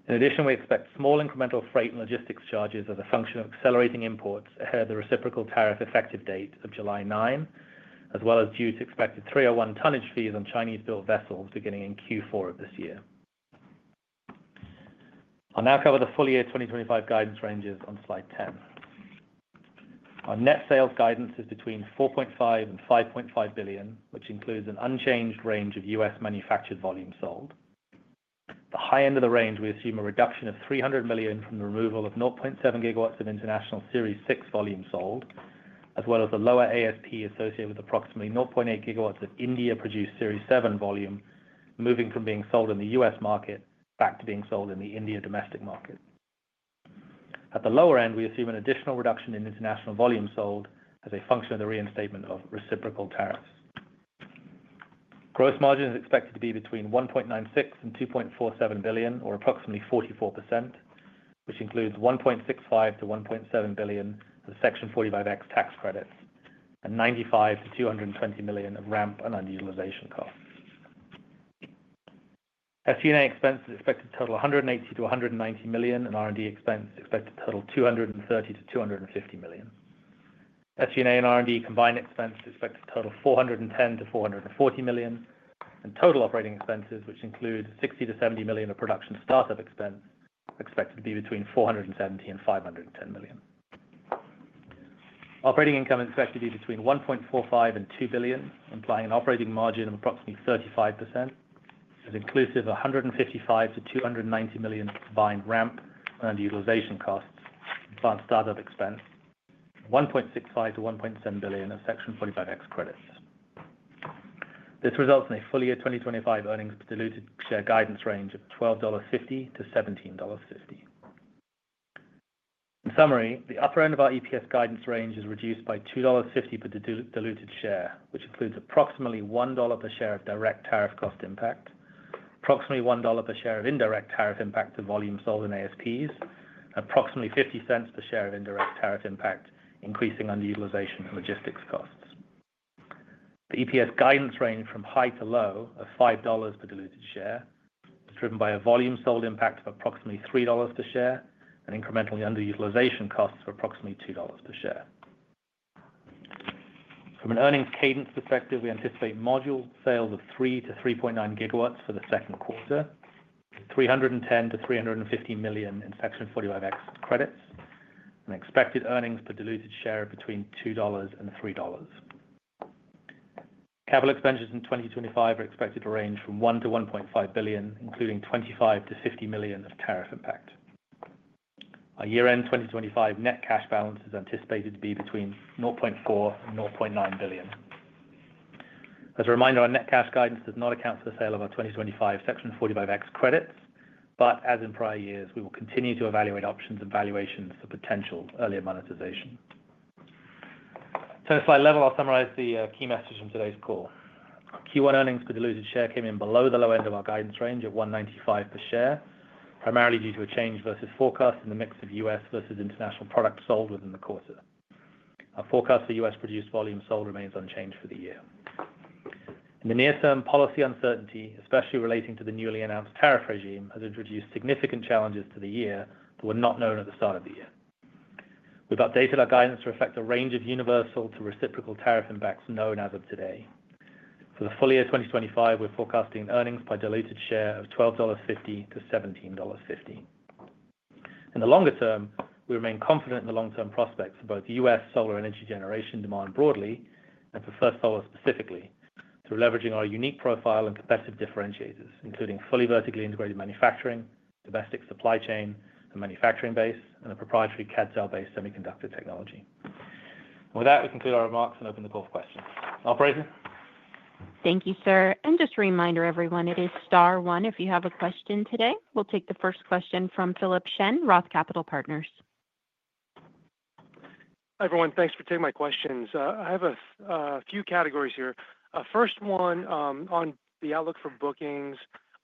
In addition, we expect small incremental freight and logistics charges as a function of accelerating imports ahead of the reciprocal tariff effective date of July 9, as well as due to expected 301 tonnage fees on Chinese-built vessels beginning in Q4 of this year. I'll now cover the full year 2025 guidance ranges on slide 10. Our net sales guidance is between $4.5 billion and $5.5 billion, which includes an unchanged range of U.S. manufactured volume sold. At the high end of the range, we assume a reduction of $300 million from the removal of 0.7 GW of international Series 6 volume sold, as well as the lower ASP associated with approximately 0.8 GW of India-produced Series 7 volume moving from being sold in the U.S. market back to being sold in the India domestic market. At the lower end, we assume an additional reduction in international volume sold as a function of the reinstatement of reciprocal tariffs. Gross margin is expected to be between $1.96 billion and $2.47 billion, or approximately 44%, which includes $1.65 billion to $1.7 billion of the Section 45X tax credits and $95 million to $220 million of ramp and underutilization costs. SUNA expenses expected to total $180 million to $190 million and R&D expenses expected to total $230 million to $250 million. SUNA and R&D combined expenses expected to total $410 million to $440 million, and total operating expenses, which include $60 million to $70 million of production startup expense, expected to be between $470 million and $510 million. Operating income expected to be between $1.45 billion and $2 billion, implying an operating margin of approximately 35%, is inclusive of $155 million to $290 million combined ramp and underutilization costs, advanced startup expense, $1.65 billion to $1.7 billion of Section 45X credits. This results in a full year 2025 earnings diluted share guidance range of $12.50 to $17.50. In summary, the upper end of our EPS guidance range is reduced by $2.50 per diluted share, which includes approximately $1 per share of direct tariff cost impact, approximately $1 per share of indirect tariff impact to volume sold in ASPs, and approximately $0.50 per share of indirect tariff impact, increasing underutilization and logistics costs. The EPS guidance range from high to low of $5 per diluted share is driven by a volume sold impact of approximately $3 per share and incremental underutilization costs for approximately $2 per share. From an earnings cadence perspective, we anticipate module sales of 3 to 3.9 GW for the second quarter, $310 million to $350 million in Section 45X credits, and expected earnings per diluted share between $2 and $3. Capital expenditures in 2025 are expected to range from $1 billion to $1.5 billion, including $25 million to $50 million of tariff impact. Our year-end 2025 net cash balance is anticipated to be between $0.4 billion and $0.9 billion. As a reminder, our net cash guidance does not account for the sale of our 2025 Section 45X credits, but as in prior years, we will continue to evaluate options and valuations for potential earlier monetization. To a slight level, I'll summarize the key message from today's call. Q1 earnings per diluted share came in below the low end of our guidance range of $1.95 per share, primarily due to a change versus forecast in the mix of U.S. versus international product sold within the quarter. Our forecast for U.S. produced volume sold remains unchanged for the year. In the near term, policy uncertainty, especially relating to the newly announced tariff regime, has introduced significant challenges to the year that were not known at the start of the year. We've updated our guidance to reflect a range of universal to reciprocal tariff impacts known as of today. For the full year 2025, we're forecasting earnings per diluted share of $12.50 and $17.50. In the longer term, we remain confident in the long-term prospects for both U.S. Solar energy generation demand broadly and for First Solar specifically through leveraging our unique profile and competitive differentiators, including fully vertically integrated manufacturing, domestic supply chain, the manufacturing base, and the proprietary CAD/CEL-based semiconductor technology. With that, we conclude our remarks and open the call for questions. Operator. Thank you, sir. Just a reminder, everyone, it is Star 1 if you have a question today. We'll take the first question from Philip Shen, Roth Capital Partners. Hi, everyone. Thanks for taking my questions. I have a few categories here. First one on the outlook for bookings.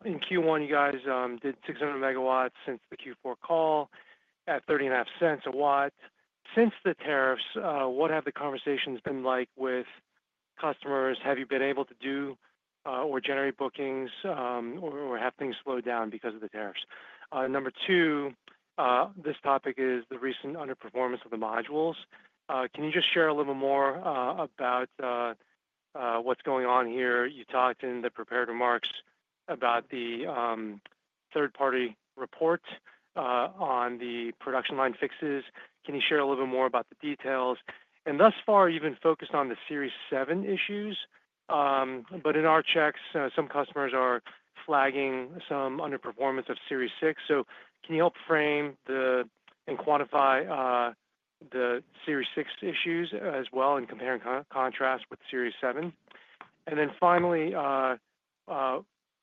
In Q1, you guys did 600 megawatts since the Q4 call at $0.305 a watt. Since the tariffs, what have the conversations been like with customers? Have you been able to do or generate bookings or have things slowed down because of the tariffs? Number two, this topic is the recent underperformance of the modules. Can you just share a little more about what's going on here? You talked in the prepared remarks about the third-party report on the production line fixes. Can you share a little bit more about the details? Thus far, you've been focused on the Series 7 issues, but in our checks, some customers are flagging some underperformance of Series 6. Can you help frame and quantify the Series 6 issues as well and compare and contrast with Series 7? Finally,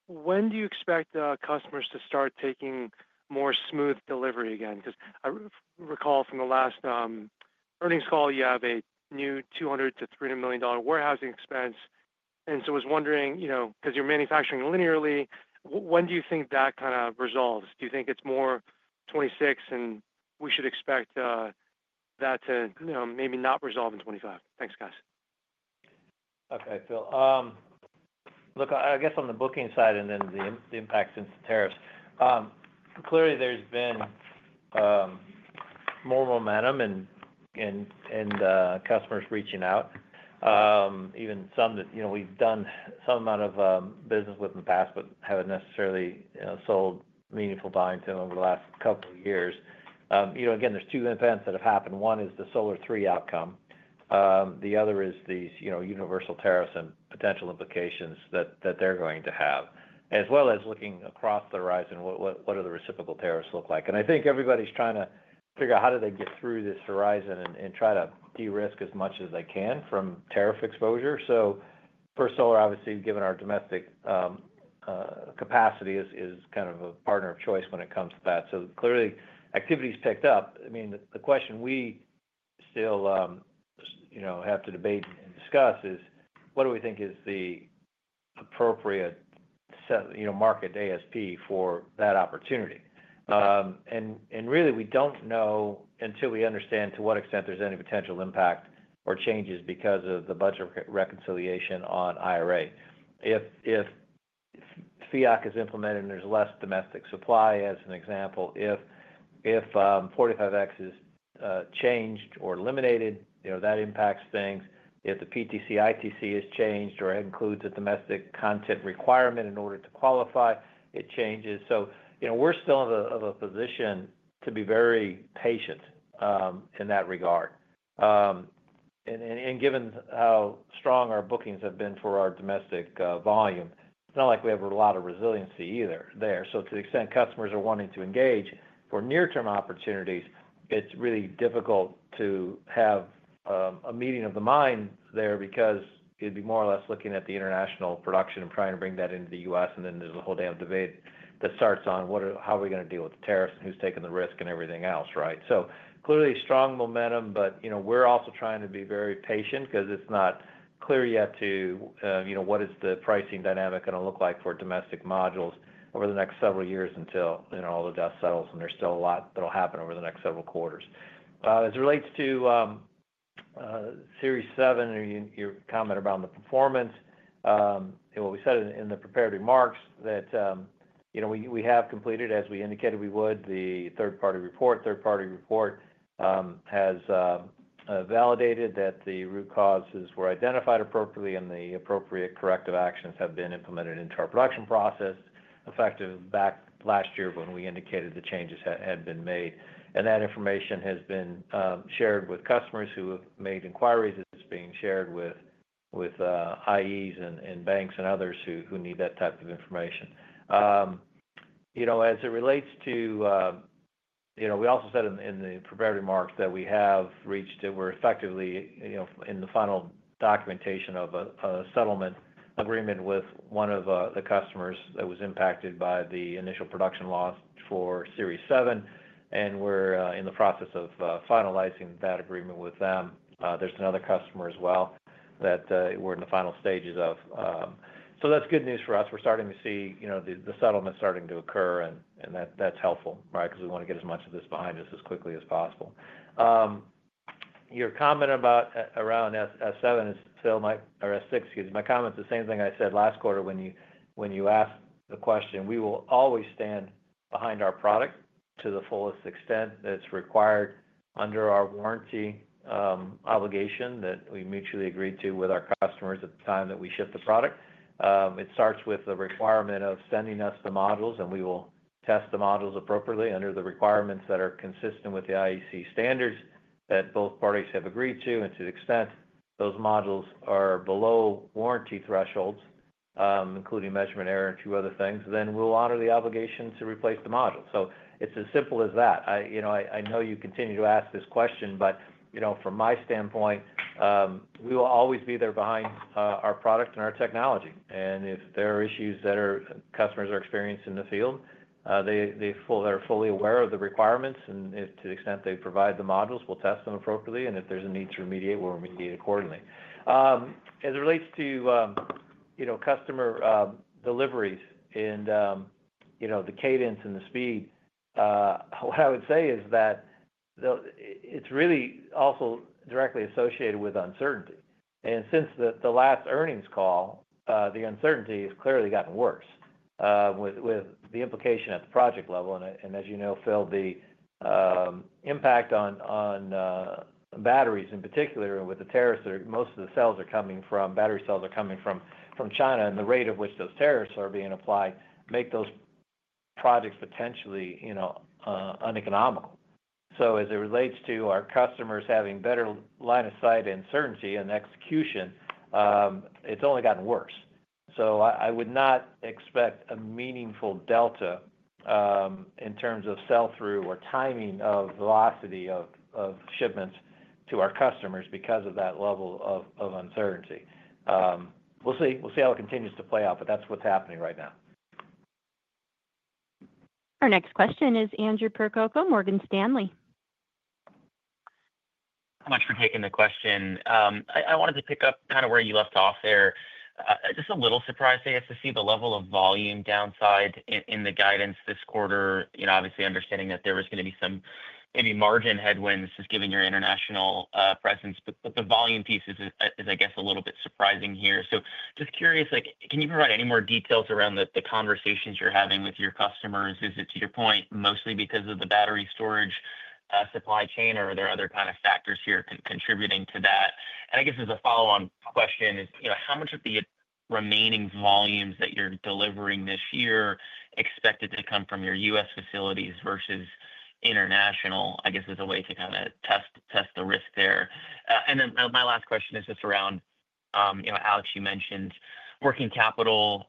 when do you expect customers to start taking more smooth delivery again? I recall from the last earnings call, you have a new $200 million to $300 million warehousing expense. I was wondering, because you're manufacturing linearly, when do you think that kind of resolves? Do you think it's more 2026, and we should expect that to maybe not resolve in 2025? Thanks, guys. Okay, Phil. Look, I guess on the booking side and then the impact since the tariffs, clearly there's been more momentum and customers reaching out, even some that we've done some amount of business with in the past but haven't necessarily sold meaningful buying to them over the last couple of years. Again, there's two events that have happened. One is the Solar 3 outcome. The other is these universal tariffs and potential implications that they're going to have, as well as looking across the horizon, what do the reciprocal tariffs look like? I think everybody's trying to figure out how do they get through this horizon and try to de-risk as much as they can from tariff exposure. First Solar, obviously, given our domestic capacity, is kind of a partner of choice when it comes to that. Clearly, activity's picked up. I mean, the question we still have to debate and discuss is, what do we think is the appropriate market ASP for that opportunity? Really, we do not know until we understand to what extent there's any potential impact or changes because of the budget reconciliation on IRA. If FEOC is implemented and there's less domestic supply, as an example, if 45X is changed or eliminated, that impacts things. If the PTC/ITC is changed or it includes a domestic content requirement in order to qualify, it changes. We are still in a position to be very patient in that regard. Given how strong our bookings have been for our domestic volume, it's not like we have a lot of resiliency either there. To the extent customers are wanting to engage for near-term opportunities, it's really difficult to have a meeting of the mind there because it'd be more or less looking at the international production and trying to bring that into the U.S. Then there's a whole damn debate that starts on how are we going to deal with the tariffs and who's taking the risk and everything else, right? Clearly, strong momentum, but we're also trying to be very patient because it's not clear yet to what is the pricing dynamic going to look like for domestic modules over the next several years until all the dust settles and there's still a lot that'll happen over the next several quarters. As it relates to Series 7, your comment around the performance, what we said in the prepared remarks is that we have completed, as we indicated we would, the third-party report. The third-party report has validated that the root causes were identified appropriately and the appropriate corrective actions have been implemented into our production process effective back last year when we indicated the changes had been made. That information has been shared with customers who have made inquiries. It is being shared with IEs and banks and others who need that type of information. As it relates to, we also said in the prepared remarks that we have reached, that we are effectively in the final documentation of a settlement agreement with one of the customers that was impacted by the initial production loss for Series 7, and we are in the process of finalizing that agreement with them. There's another customer as well that we're in the final stages of. That's good news for us. We're starting to see the settlement starting to occur, and that's helpful, right, because we want to get as much of this behind us as quickly as possible. Your comment around S7 is, or S6, excuse me, my comment's the same thing I said last quarter when you asked the question. We will always stand behind our product to the fullest extent that's required under our warranty obligation that we mutually agreed to with our customers at the time that we ship the product. It starts with the requirement of sending us the modules, and we will test the modules appropriately under the requirements that are consistent with the IEC standards that both parties have agreed to. To the extent those modules are below warranty thresholds, including measurement error and a few other things, then we'll honor the obligation to replace the modules. It's as simple as that. I know you continue to ask this question, but from my standpoint, we will always be there behind our product and our technology. If there are issues that customers are experiencing in the field, they are fully aware of the requirements, and to the extent they provide the modules, we'll test them appropriately. If there's a need to remediate, we'll remediate accordingly. As it relates to customer deliveries and the cadence and the speed, what I would say is that it's really also directly associated with uncertainty. Since the last earnings call, the uncertainty has clearly gotten worse with the implication at the project level. As you know, Phil, the impact on batteries in particular, and with the tariffs, most of the battery cells are coming from China, and the rate at which those tariffs are being applied makes those projects potentially uneconomical. As it relates to our customers having better line of sight and certainty and execution, it has only gotten worse. I would not expect a meaningful delta in terms of sell-through or timing or velocity of shipments to our customers because of that level of uncertainty. We'll see. We'll see how it continues to play out, but that's what's happening right now. Our next question is Andrew Percoco, Morgan Stanley. Thanks for taking the question. I wanted to pick up kind of where you left off there. Just a little surprised, I guess, to see the level of volume downside in the guidance this quarter, obviously understanding that there was going to be some maybe margin headwinds just given your international presence. The volume piece is, I guess, a little bit surprising here. Just curious, can you provide any more details around the conversations you're having with your customers? Is it, to your point, mostly because of the battery storage supply chain, or are there other kind of factors here contributing to that? I guess as a follow-on question, how much of the remaining volumes that you're delivering this year are expected to come from your U.S. facilities versus international, I guess, as a way to kind of test the risk there? My last question is just around, Alex, you mentioned working capital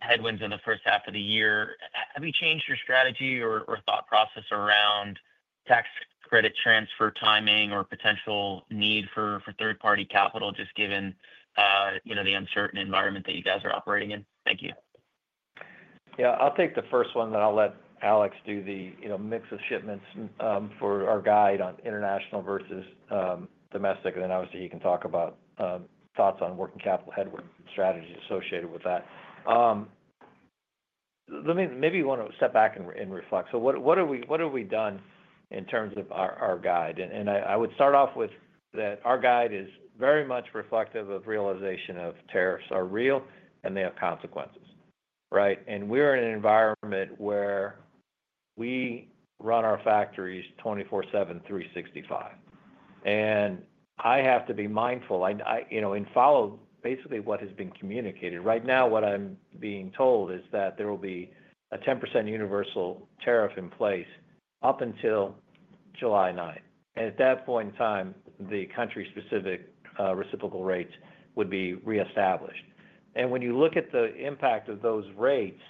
headwinds in the first half of the year. Have you changed your strategy or thought process around tax credit transfer timing or potential need for third-party capital just given the uncertain environment that you guys are operating in? Thank you. Yeah. I'll take the first one, then I'll let Alex do the mix of shipments for our guide on international versus domestic. He can talk about thoughts on working capital headwinds and strategies associated with that. Maybe you want to step back and reflect. What have we done in terms of our guide? I would start off with that our guide is very much reflective of realization of tariffs are real and they have consequences, right? We're in an environment where we run our factories 24/7, 365. I have to be mindful and follow basically what has been communicated. Right now, what I'm being told is that there will be a 10% universal tariff in place up until July 9th. At that point in time, the country-specific reciprocal rates would be reestablished. When you look at the impact of those rates,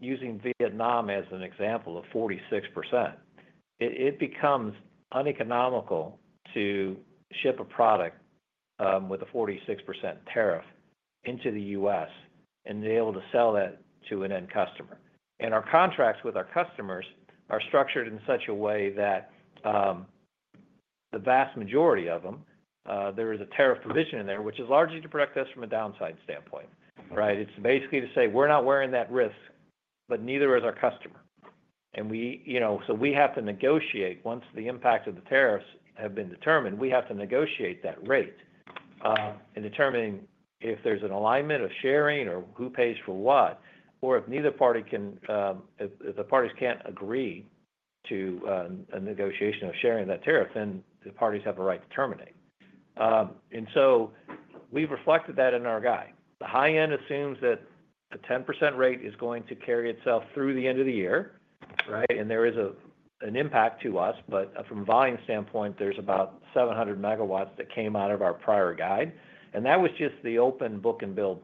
using Vietnam as an example of 46%, it becomes uneconomical to ship a product with a 46% tariff into the U.S. and be able to sell that to an end customer. Our contracts with our customers are structured in such a way that the vast majority of them, there is a tariff provision in there, which is largely to protect us from a downside standpoint, right? It's basically to say, "We're not wearing that risk, but neither is our customer." We have to negotiate once the impact of the tariffs has been determined, we have to negotiate that rate in determining if there's an alignment of sharing or who pays for what. If the parties can't agree to a negotiation of sharing that tariff, then the parties have a right to terminate. We've reflected that in our guide. The high end assumes that the 10% rate is going to carry itself through the end of the year, right? There is an impact to us, but from a volume standpoint, there's about 700 megawatts that came out of our prior guide. That was just the open book and build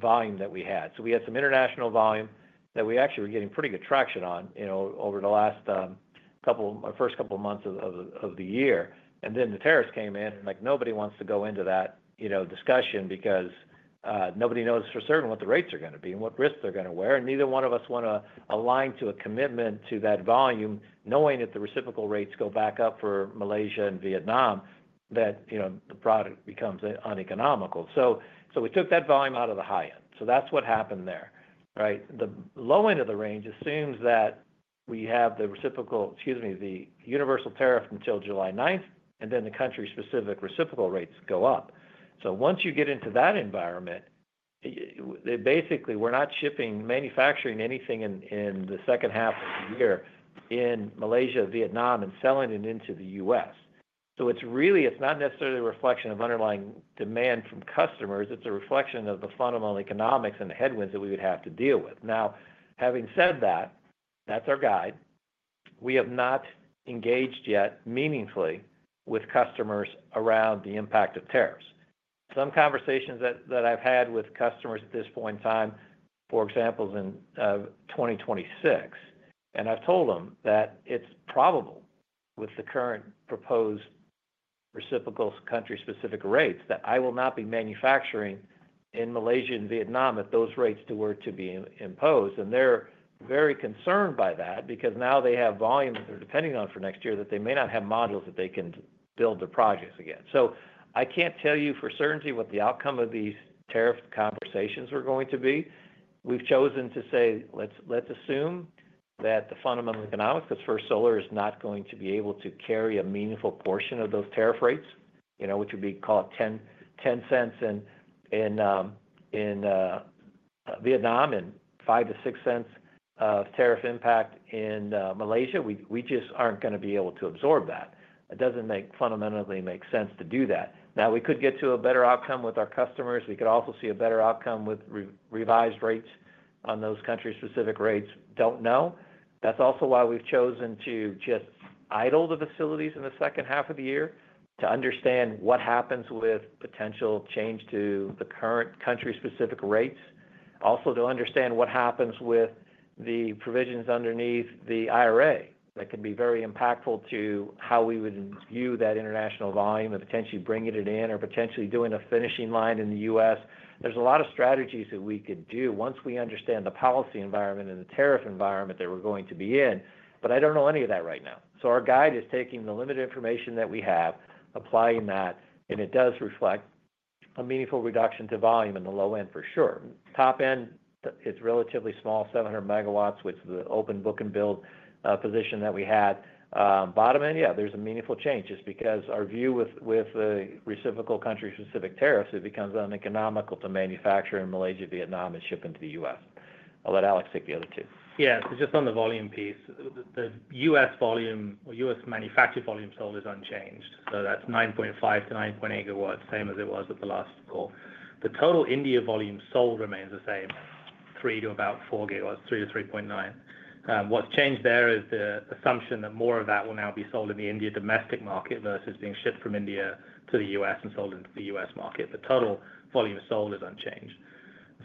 volume that we had. We had some international volume that we actually were getting pretty good traction on over the first couple of months of the year. The tariffs came in, and nobody wants to go into that discussion because nobody knows for certain what the rates are going to be and what risks they're going to wear. Neither one of us want to align to a commitment to that volume, knowing that the reciprocal rates go back up for Malaysia and Vietnam, that the product becomes uneconomical. We took that volume out of the high end. That is what happened there, right? The low end of the range assumes that we have the universal tariff until July 9, and then the country-specific reciprocal rates go up. Once you get into that environment, basically, we're not shipping, manufacturing anything in the second half of the year in Malaysia, Vietnam, and selling it into the U.S. It's really not necessarily a reflection of underlying demand from customers. It's a reflection of the fundamental economics and the headwinds that we would have to deal with. Now, having said that, that's our guide. We have not engaged yet meaningfully with customers around the impact of tariffs. Some conversations that I've had with customers at this point in time, for example, in 2026, and I've told them that it's probable with the current proposed reciprocal country-specific rates that I will not be manufacturing in Malaysia and Vietnam at those rates that were to be imposed. They are very concerned by that because now they have volume that they are depending on for next year that they may not have modules that they can build their projects again. I cannot tell you for certainty what the outcome of these tariff conversations are going to be. We have chosen to say, "Let's assume that the fundamental economics," because First Solar is not going to be able to carry a meaningful portion of those tariff rates, which would be called $0.10 in Vietnam and $0.05 to $0.06 of tariff impact in Malaysia. We just are not going to be able to absorb that. It does not fundamentally make sense to do that. Now, we could get to a better outcome with our customers. We could also see a better outcome with revised rates on those country-specific rates. Do not know. That's also why we've chosen to just idle the facilities in the second half of the year to understand what happens with potential change to the current country-specific rates. Also to understand what happens with the provisions underneath the IRA that can be very impactful to how we would view that international volume and potentially bringing it in or potentially doing a finishing line in the U.S. There's a lot of strategies that we could do once we understand the policy environment and the tariff environment that we're going to be in, but I don't know any of that right now. Our guide is taking the limited information that we have, applying that, and it does reflect a meaningful reduction to volume in the low end for sure. Top end, it's relatively small, 700 megawatts, which is the open book and build position that we had. Bottom end, yeah, there's a meaningful change just because our view with the reciprocal country-specific tariffs, it becomes uneconomical to manufacture in Malaysia, Vietnam, and ship into the U.S. I'll let Alex take the other two. Yeah. Just on the volume piece, the U.S. volume or U.S. manufactured volume sold is unchanged. That's 9.5 to 9.8 GW, same as it was at the last call. The total India volume sold remains the same, 3 to 4 GW, 3 to 3.9. What's changed there is the assumption that more of that will now be sold in the India domestic market versus being shipped from India to the U.S. and sold into the U.S. market. The total volume sold is unchanged.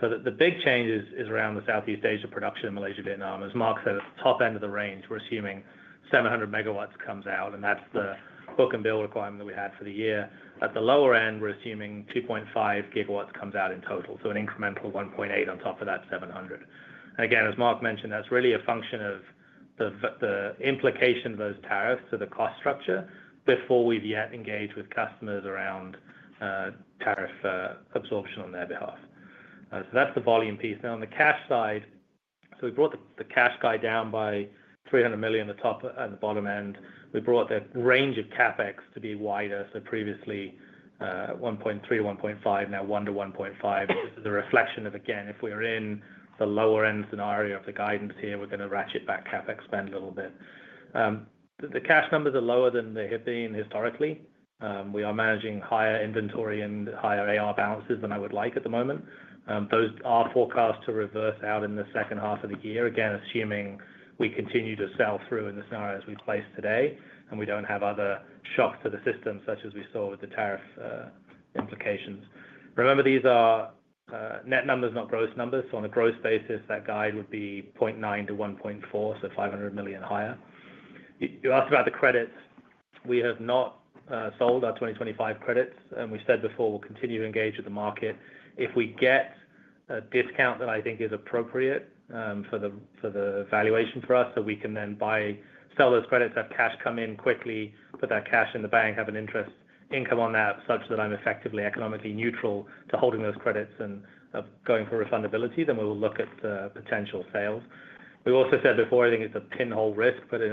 The big change is around the Southeast Asia production in Malaysia, Vietnam. As Mark said, at the top end of the range, we're assuming 700 megawatts comes out, and that's the book and build requirement that we had for the year. At the lower end, we're assuming 2.5 GW comes out in total. So an incremental 1.8 on top of that 700. Again, as Mark mentioned, that's really a function of the implication of those tariffs to the cost structure before we've yet engaged with customers around tariff absorption on their behalf. That's the volume piece. Now, on the cash side, we brought the cash guide down by $300 million at the top and the bottom end. We brought the range of CapEx to be wider. Previously $1.3 billion to $1.5 billion, now $1 billion to $1.5 billion. This is a reflection of, again, if we're in the lower end scenario of the guidance here, we're going to ratchet back CapEx spend a little bit. The cash numbers are lower than they have been historically. We are managing higher inventory and higher AR balances than I would like at the moment. Those are forecast to reverse out in the second half of the year, again, assuming we continue to sell through in the scenarios we've placed today and we don't have other shocks to the system such as we saw with the tariff implications. Remember, these are net numbers, not gross numbers. On a gross basis, that guide would be $0.9 billion to $1.4 billion, so $500 million higher. You asked about the credits. We have not sold our 2025 credits. We said before we'll continue to engage with the market. If we get a discount that I think is appropriate for the valuation for us, so we can then sell those credits, have cash come in quickly, put that cash in the bank, have an interest income on that such that I'm effectively economically neutral to holding those credits and going for refundability, then we will look at potential sales. We also said before, I think it's a pinhole risk, but in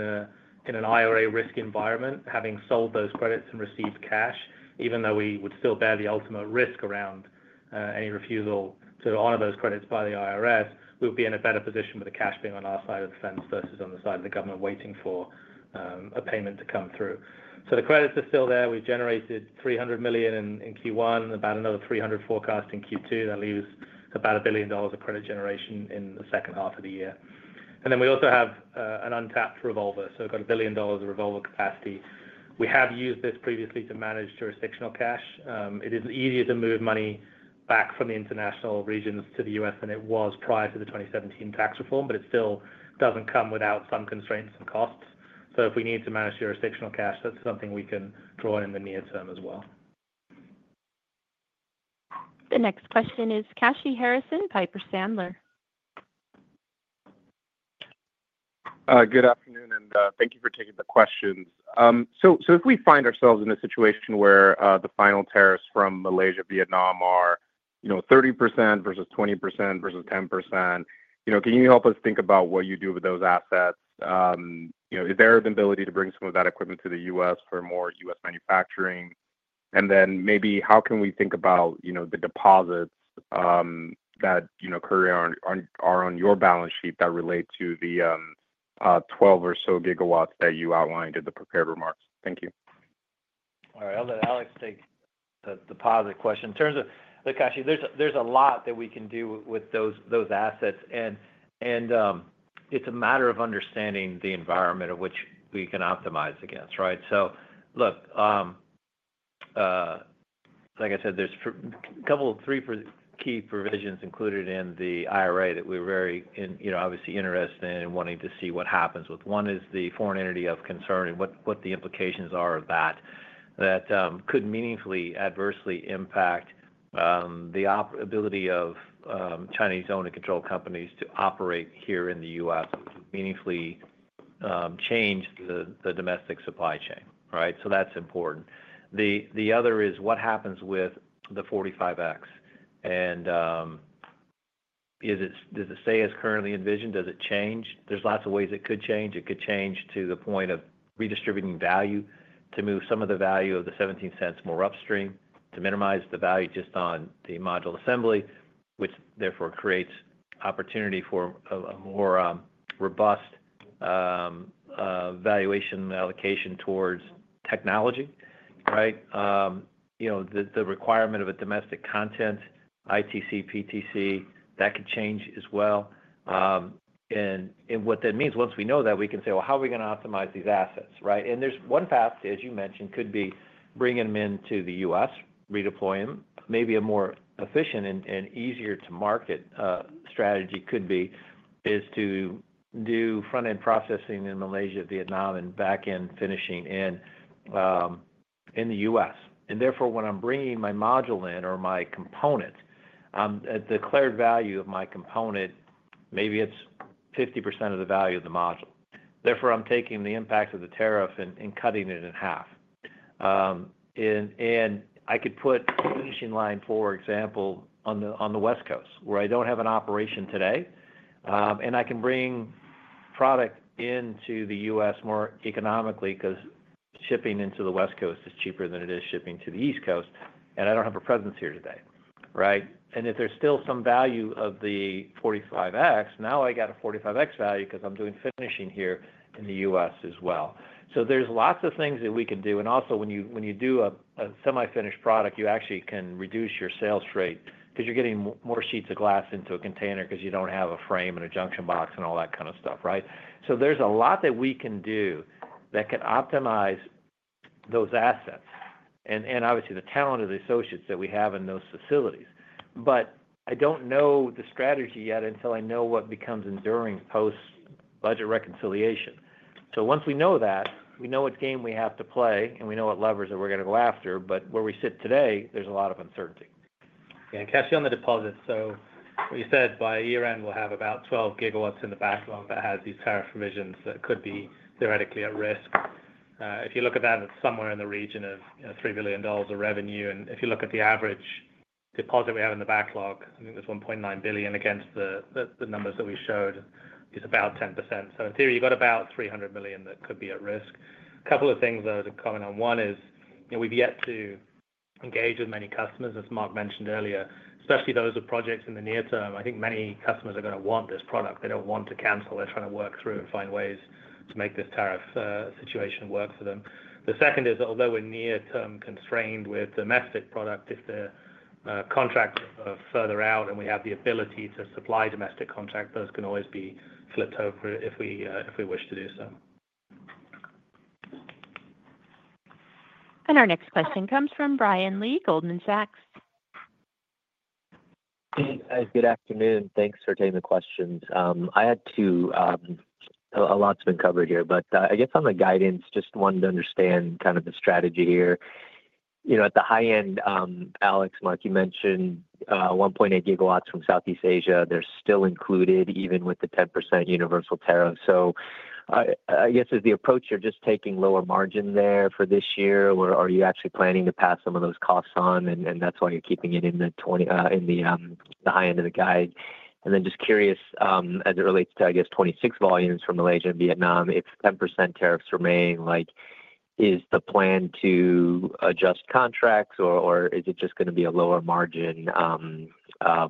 an IRA risk environment, having sold those credits and received cash, even though we would still bear the ultimate risk around any refusal to honor those credits by the IRS, we would be in a better position with the cash being on our side of the fence versus on the side of the government waiting for a payment to come through. The credits are still there. We've generated $300 million in Q1, about another $300 million forecast in Q2. That leaves about $1 billion of credit generation in the second half of the year. We also have an untapped revolver. We've got $1 billion of revolver capacity. We have used this previously to manage jurisdictional cash. It is easier to move money back from the international regions to the U.S. than it was prior to the 2017 tax reform, but it still does not come without some constraints and costs. If we need to manage jurisdictional cash, that's something we can draw in in the near term as well. The next question is Kashy Harrison, Piper Sandler. Good afternoon, and thank you for taking the questions. If we find ourselves in a situation where the final tariffs from Malaysia, Vietnam are 30% versus 20% versus 10%, can you help us think about what you do with those assets? Is there the ability to bring some of that equipment to the U.S. for more U.S. manufacturing? Maybe how can we think about the deposits that are on your balance sheet that relate to the 12 or so gigawatts that you outlined in the prepared remarks? Thank you. All right. I'll let Alex take the deposit question. In terms of, look, Kashy, there's a lot that we can do with those assets, and it's a matter of understanding the environment of which we can optimize against, right? Like I said, there's a couple of key provisions included in the IRA that we're very, obviously, interested in and wanting to see what happens with. One is the foreign entity of concern and what the implications are of that that could meaningfully adversely impact the ability of Chinese-owned and controlled companies to operate here in the U.S., meaningfully change the domestic supply chain, right? That is important. The other is what happens with the 45X, and does it stay as currently envisioned? Does it change? There are lots of ways it could change. It could change to the point of redistributing value to move some of the value of the 17 cents more upstream to minimize the value just on the module assembly, which therefore creates opportunity for a more robust valuation allocation towards technology, right? The requirement of a domestic content, ITC, PTC, that could change as well. What that means, once we know that, we can say, "How are we going to optimize these assets?" right? There is one path, as you mentioned, could be bringing them into the U.S., redeploying them. Maybe a more efficient and easier-to-market strategy could be to do front-end processing in Malaysia, Vietnam, and back-end finishing in the U.S. Therefore, when I am bringing my module in or my component, the declared value of my component, maybe it is 50% of the value of the module. Therefore, I am taking the impact of the tariff and cutting it in half. I could put a finishing line, for example, on the West Coast, where I do not have an operation today, and I can bring product into the U.S. more economically because shipping into the West Coast is cheaper than it is shipping to the East Coast, and I do not have a presence here today, right? If there's still some value of the 45X, now I got a 45X value because I'm doing finishing here in the U.S. as well. There are lots of things that we can do. Also, when you do a semi-finished product, you actually can reduce your sales rate because you're getting more sheets of glass into a container because you don't have a frame and a junction box and all that kind of stuff, right? There is a lot that we can do that can optimize those assets and, obviously, the talent of the associates that we have in those facilities. I don't know the strategy yet until I know what becomes enduring post-budget reconciliation. Once we know that, we know what game we have to play, and we know what levers that we're going to go after, but where we sit today, there's a lot of uncertainty. Yeah. Kashy on the deposit. You said by year-end, we'll have about 12 GW in the backlog that has these tariff provisions that could be theoretically at risk. If you look at that, it's somewhere in the region of $3 billion of revenue. If you look at the average deposit we have in the backlog, I think there's $1.9 billion against the numbers that we showed, it's about 10%. In theory, you've got about $300 million that could be at risk. A couple of things I want to comment on. One is we've yet to engage with many customers, as Mark mentioned earlier, especially those with projects in the near term. I think many customers are going to want this product. They don't want to cancel. They're trying to work through and find ways to make this tariff situation work for them. The second is, although we're near-term constrained with domestic product, if the contracts are further out and we have the ability to supply domestic contracts, those can always be flipped over if we wish to do so. Our next question comes from Brian Lee of Goldman Sachs. Hey, good afternoon. Thanks for taking the questions. I had two, lots been covered here, but I guess on the guidance, just wanted to understand kind of the strategy here. At the high end, Alex, Mark, you mentioned 1.8 GW from Southeast Asia. They're still included even with the 10% universal tariff. I guess is the approach you're just taking lower margin there for this year, or are you actually planning to pass some of those costs on, and that's why you're keeping it in the high end of the guide? Just curious, as it relates to, I guess, 26 volumes from Malaysia and Vietnam, if 10% tariffs remain, is the plan to adjust contracts, or is it just going to be a lower margin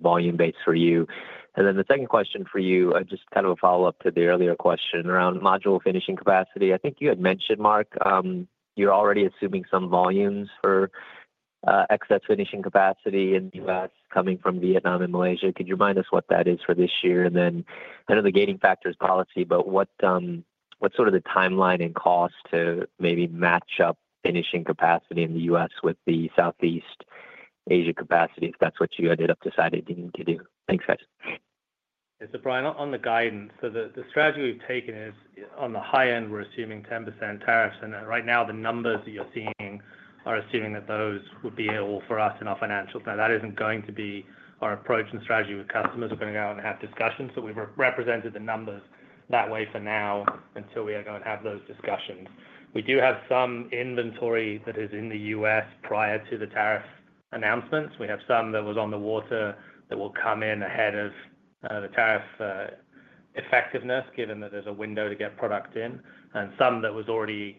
volume base for you? The second question for you, just kind of a follow-up to the earlier question around module finishing capacity. I think you had mentioned, Mark, you're already assuming some volumes for excess finishing capacity in the U.S. coming from Vietnam and Malaysia. Could you remind us what that is for this year? I know the gating factor is policy, but what's sort of the timeline and cost to maybe match up finishing capacity in the U.S. with the Southeast Asia capacity if that's what you ended up deciding to do? Thanks, guys. Brian, on the guidance, the strategy we've taken is on the high end, we're assuming 10% tariffs. Right now, the numbers that you're seeing are assuming that those would be able for us in our financials. That isn't going to be our approach and strategy. Customers are going to go out and have discussions. We've represented the numbers that way for now until we are going to have those discussions. We do have some inventory that is in the U.S. prior to the tariff announcements. We have some that was on the water that will come in ahead of the tariff effectiveness, given that there's a window to get product in, and some that was already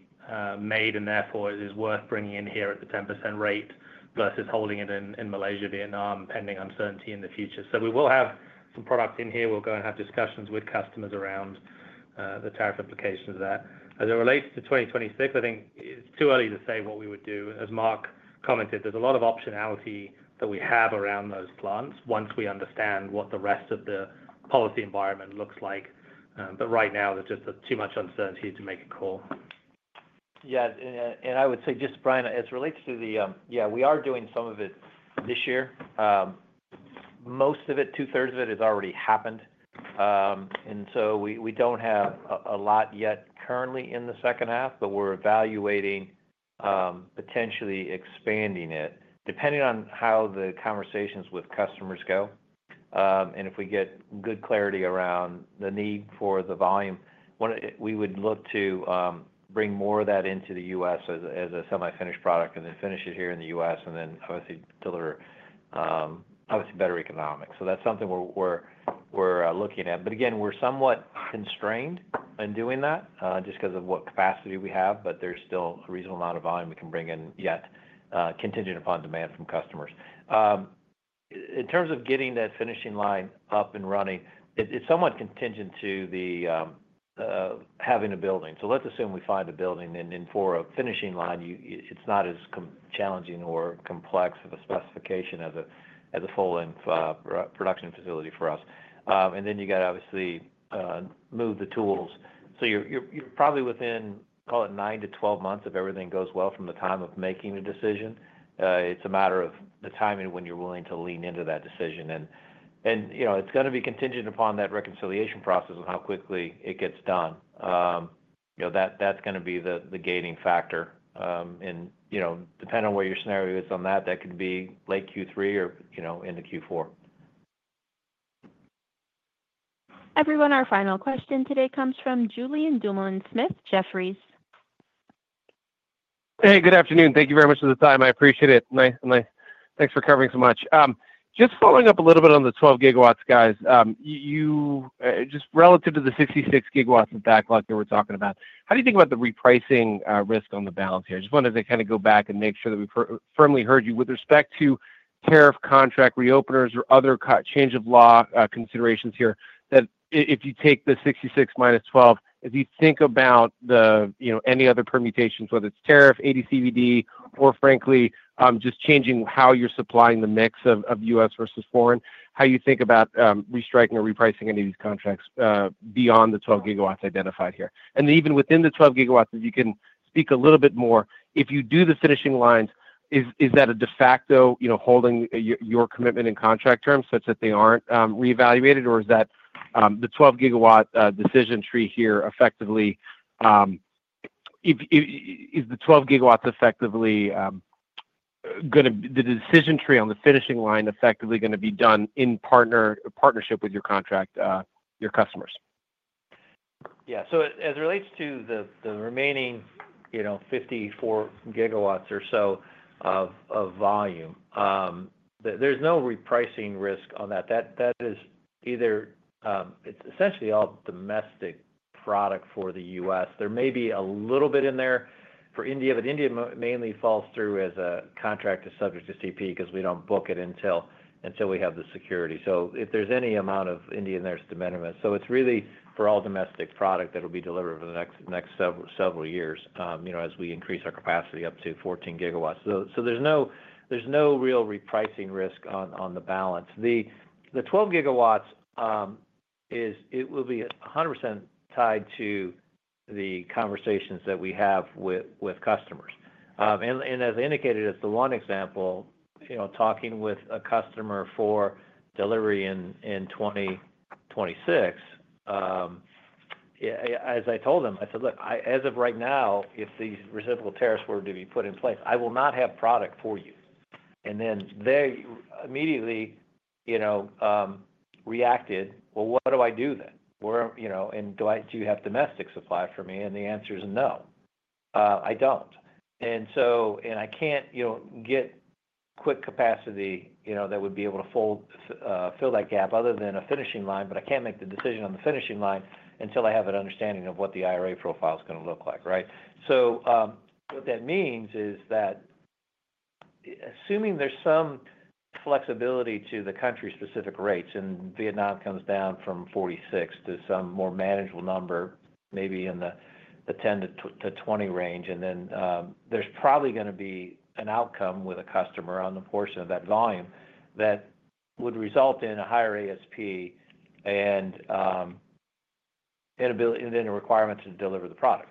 made and therefore is worth bringing in here at the 10% rate versus holding it in Malaysia, Vietnam, pending uncertainty in the future. We will have some products in here. We'll go and have discussions with customers around the tariff implications of that. As it relates to 2026, I think it's too early to say what we would do. As Mark commented, there's a lot of optionality that we have around those plants once we understand what the rest of the policy environment looks like. Right now, there's just too much uncertainty to make a call. Yeah. I would say just, Brian, as it relates to the yeah, we are doing some of it this year. Most of it, two-thirds of it, has already happened. We do not have a lot yet currently in the second half, but we are evaluating potentially expanding it depending on how the conversations with customers go. If we get good clarity around the need for the volume, we would look to bring more of that into the U.S. as a semi-finished product and then finish it here in the U.S. and then, obviously, deliver obviously better economics. That is something we are looking at. Again, we are somewhat constrained in doing that just because of what capacity we have, but there is still a reasonable amount of volume we can bring in yet, contingent upon demand from customers. In terms of getting that finishing line up and running, it is somewhat contingent to having a building. Let's assume we find a building and then for a finishing line, it's not as challenging or complex of a specification as a full-in production facility for us. Then you've got to, obviously, move the tools. You're probably within, call it 9-12 months if everything goes well from the time of making the decision. It's a matter of the timing when you're willing to lean into that decision. It's going to be contingent upon that reconciliation process and how quickly it gets done. That's going to be the gating factor. Depending on where your scenario is on that, that could be late Q3 or into Q4. Everyone, our final question today comes from Julien Dumoulin-Smith, Jefferies. Hey, good afternoon. Thank you very much for the time. I appreciate it. Thanks for covering so much. Just following up a little bit on the 12 GW, guys, just relative to the 66 GW of backlog that we're talking about, how do you think about the repricing risk on the balance here? I just wanted to kind of go back and make sure that we firmly heard you with respect to tariff contract reopeners or other change of law considerations here that if you take the 66 minus 12, if you think about any other permutations, whether it's tariff, AD/CVD, or frankly, just changing how you're supplying the mix of U.S. versus foreign, how you think about restriking or repricing any of these contracts beyond the 12 GW identified here? Even within the 12 GW, if you can speak a little bit more, if you do the finishing lines, is that a de facto holding your commitment in contract terms such that they are not reevaluated, or is that the 12 GW decision tree here? Effectively, is the 12 GW going to be the decision tree on the finishing line, effectively going to be done in partnership with your contract, your customers? Yeah. As it relates to the remaining 54 GW or so of volume, there is no repricing risk on that. That is, it is essentially all domestic product for the U.S. There may be a little bit in there for India, but India mainly falls through as a contract that is subject to CP because we do not book it until we have the security. If there is any amount of India in there, it is de minimis. It is really for all domestic product that will be delivered over the next several years as we increase our capacity up to 14 GW. There is no real repricing risk on the balance. The 12 GW, it will be 100% tied to the conversations that we have with customers. As I indicated as the one example, talking with a customer for delivery in 2026, as I told them, I said, "Look, as of right now, if these reciprocal tariffs were to be put in place, I will not have product for you." They immediately reacted, "What do I do then? And do you have domestic supply for me?" The answer is no, I do not. I can't get quick capacity that would be able to fill that gap other than a finishing line, but I can't make the decision on the finishing line until I have an understanding of what the IRA profile is going to look like, right? What that means is that assuming there's some flexibility to the country-specific rates and Vietnam comes down from 46% to some more manageable number, maybe in the 10-20% range, and then there's probably going to be an outcome with a customer on the portion of that volume that would result in a higher ASP and then a requirement to deliver the product.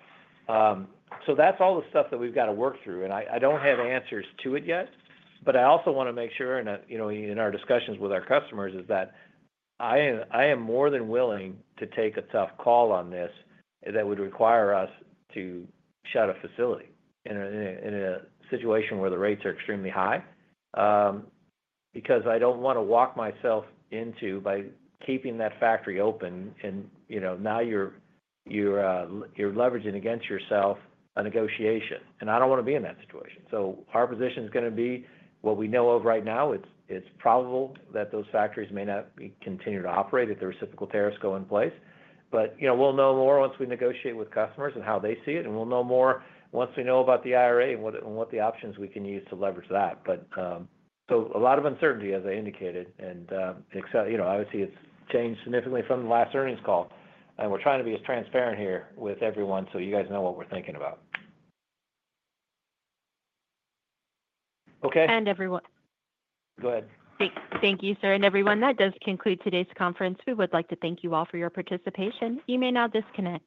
That's all the stuff that we've got to work through. I do not have answers to it yet, but I also want to make sure in our discussions with our customers that I am more than willing to take a tough call on this that would require us to shut a facility in a situation where the rates are extremely high because I do not want to walk myself into, by keeping that factory open, and now you are leveraging against yourself in a negotiation. I do not want to be in that situation. Our position is going to be what we know of right now. It is probable that those factories may not continue to operate if the reciprocal tariffs go in place. We will know more once we negotiate with customers and how they see it. We will know more once we know about the IRA and what the options are that we can use to leverage that. A lot of uncertainty, as I indicated. Obviously, it's changed significantly from the last earnings call. We're trying to be as transparent here with everyone so you guys know what we're thinking about. Okay? Thank you, sir. That does conclude today's conference. We would like to thank you all for your participation. You may now disconnect.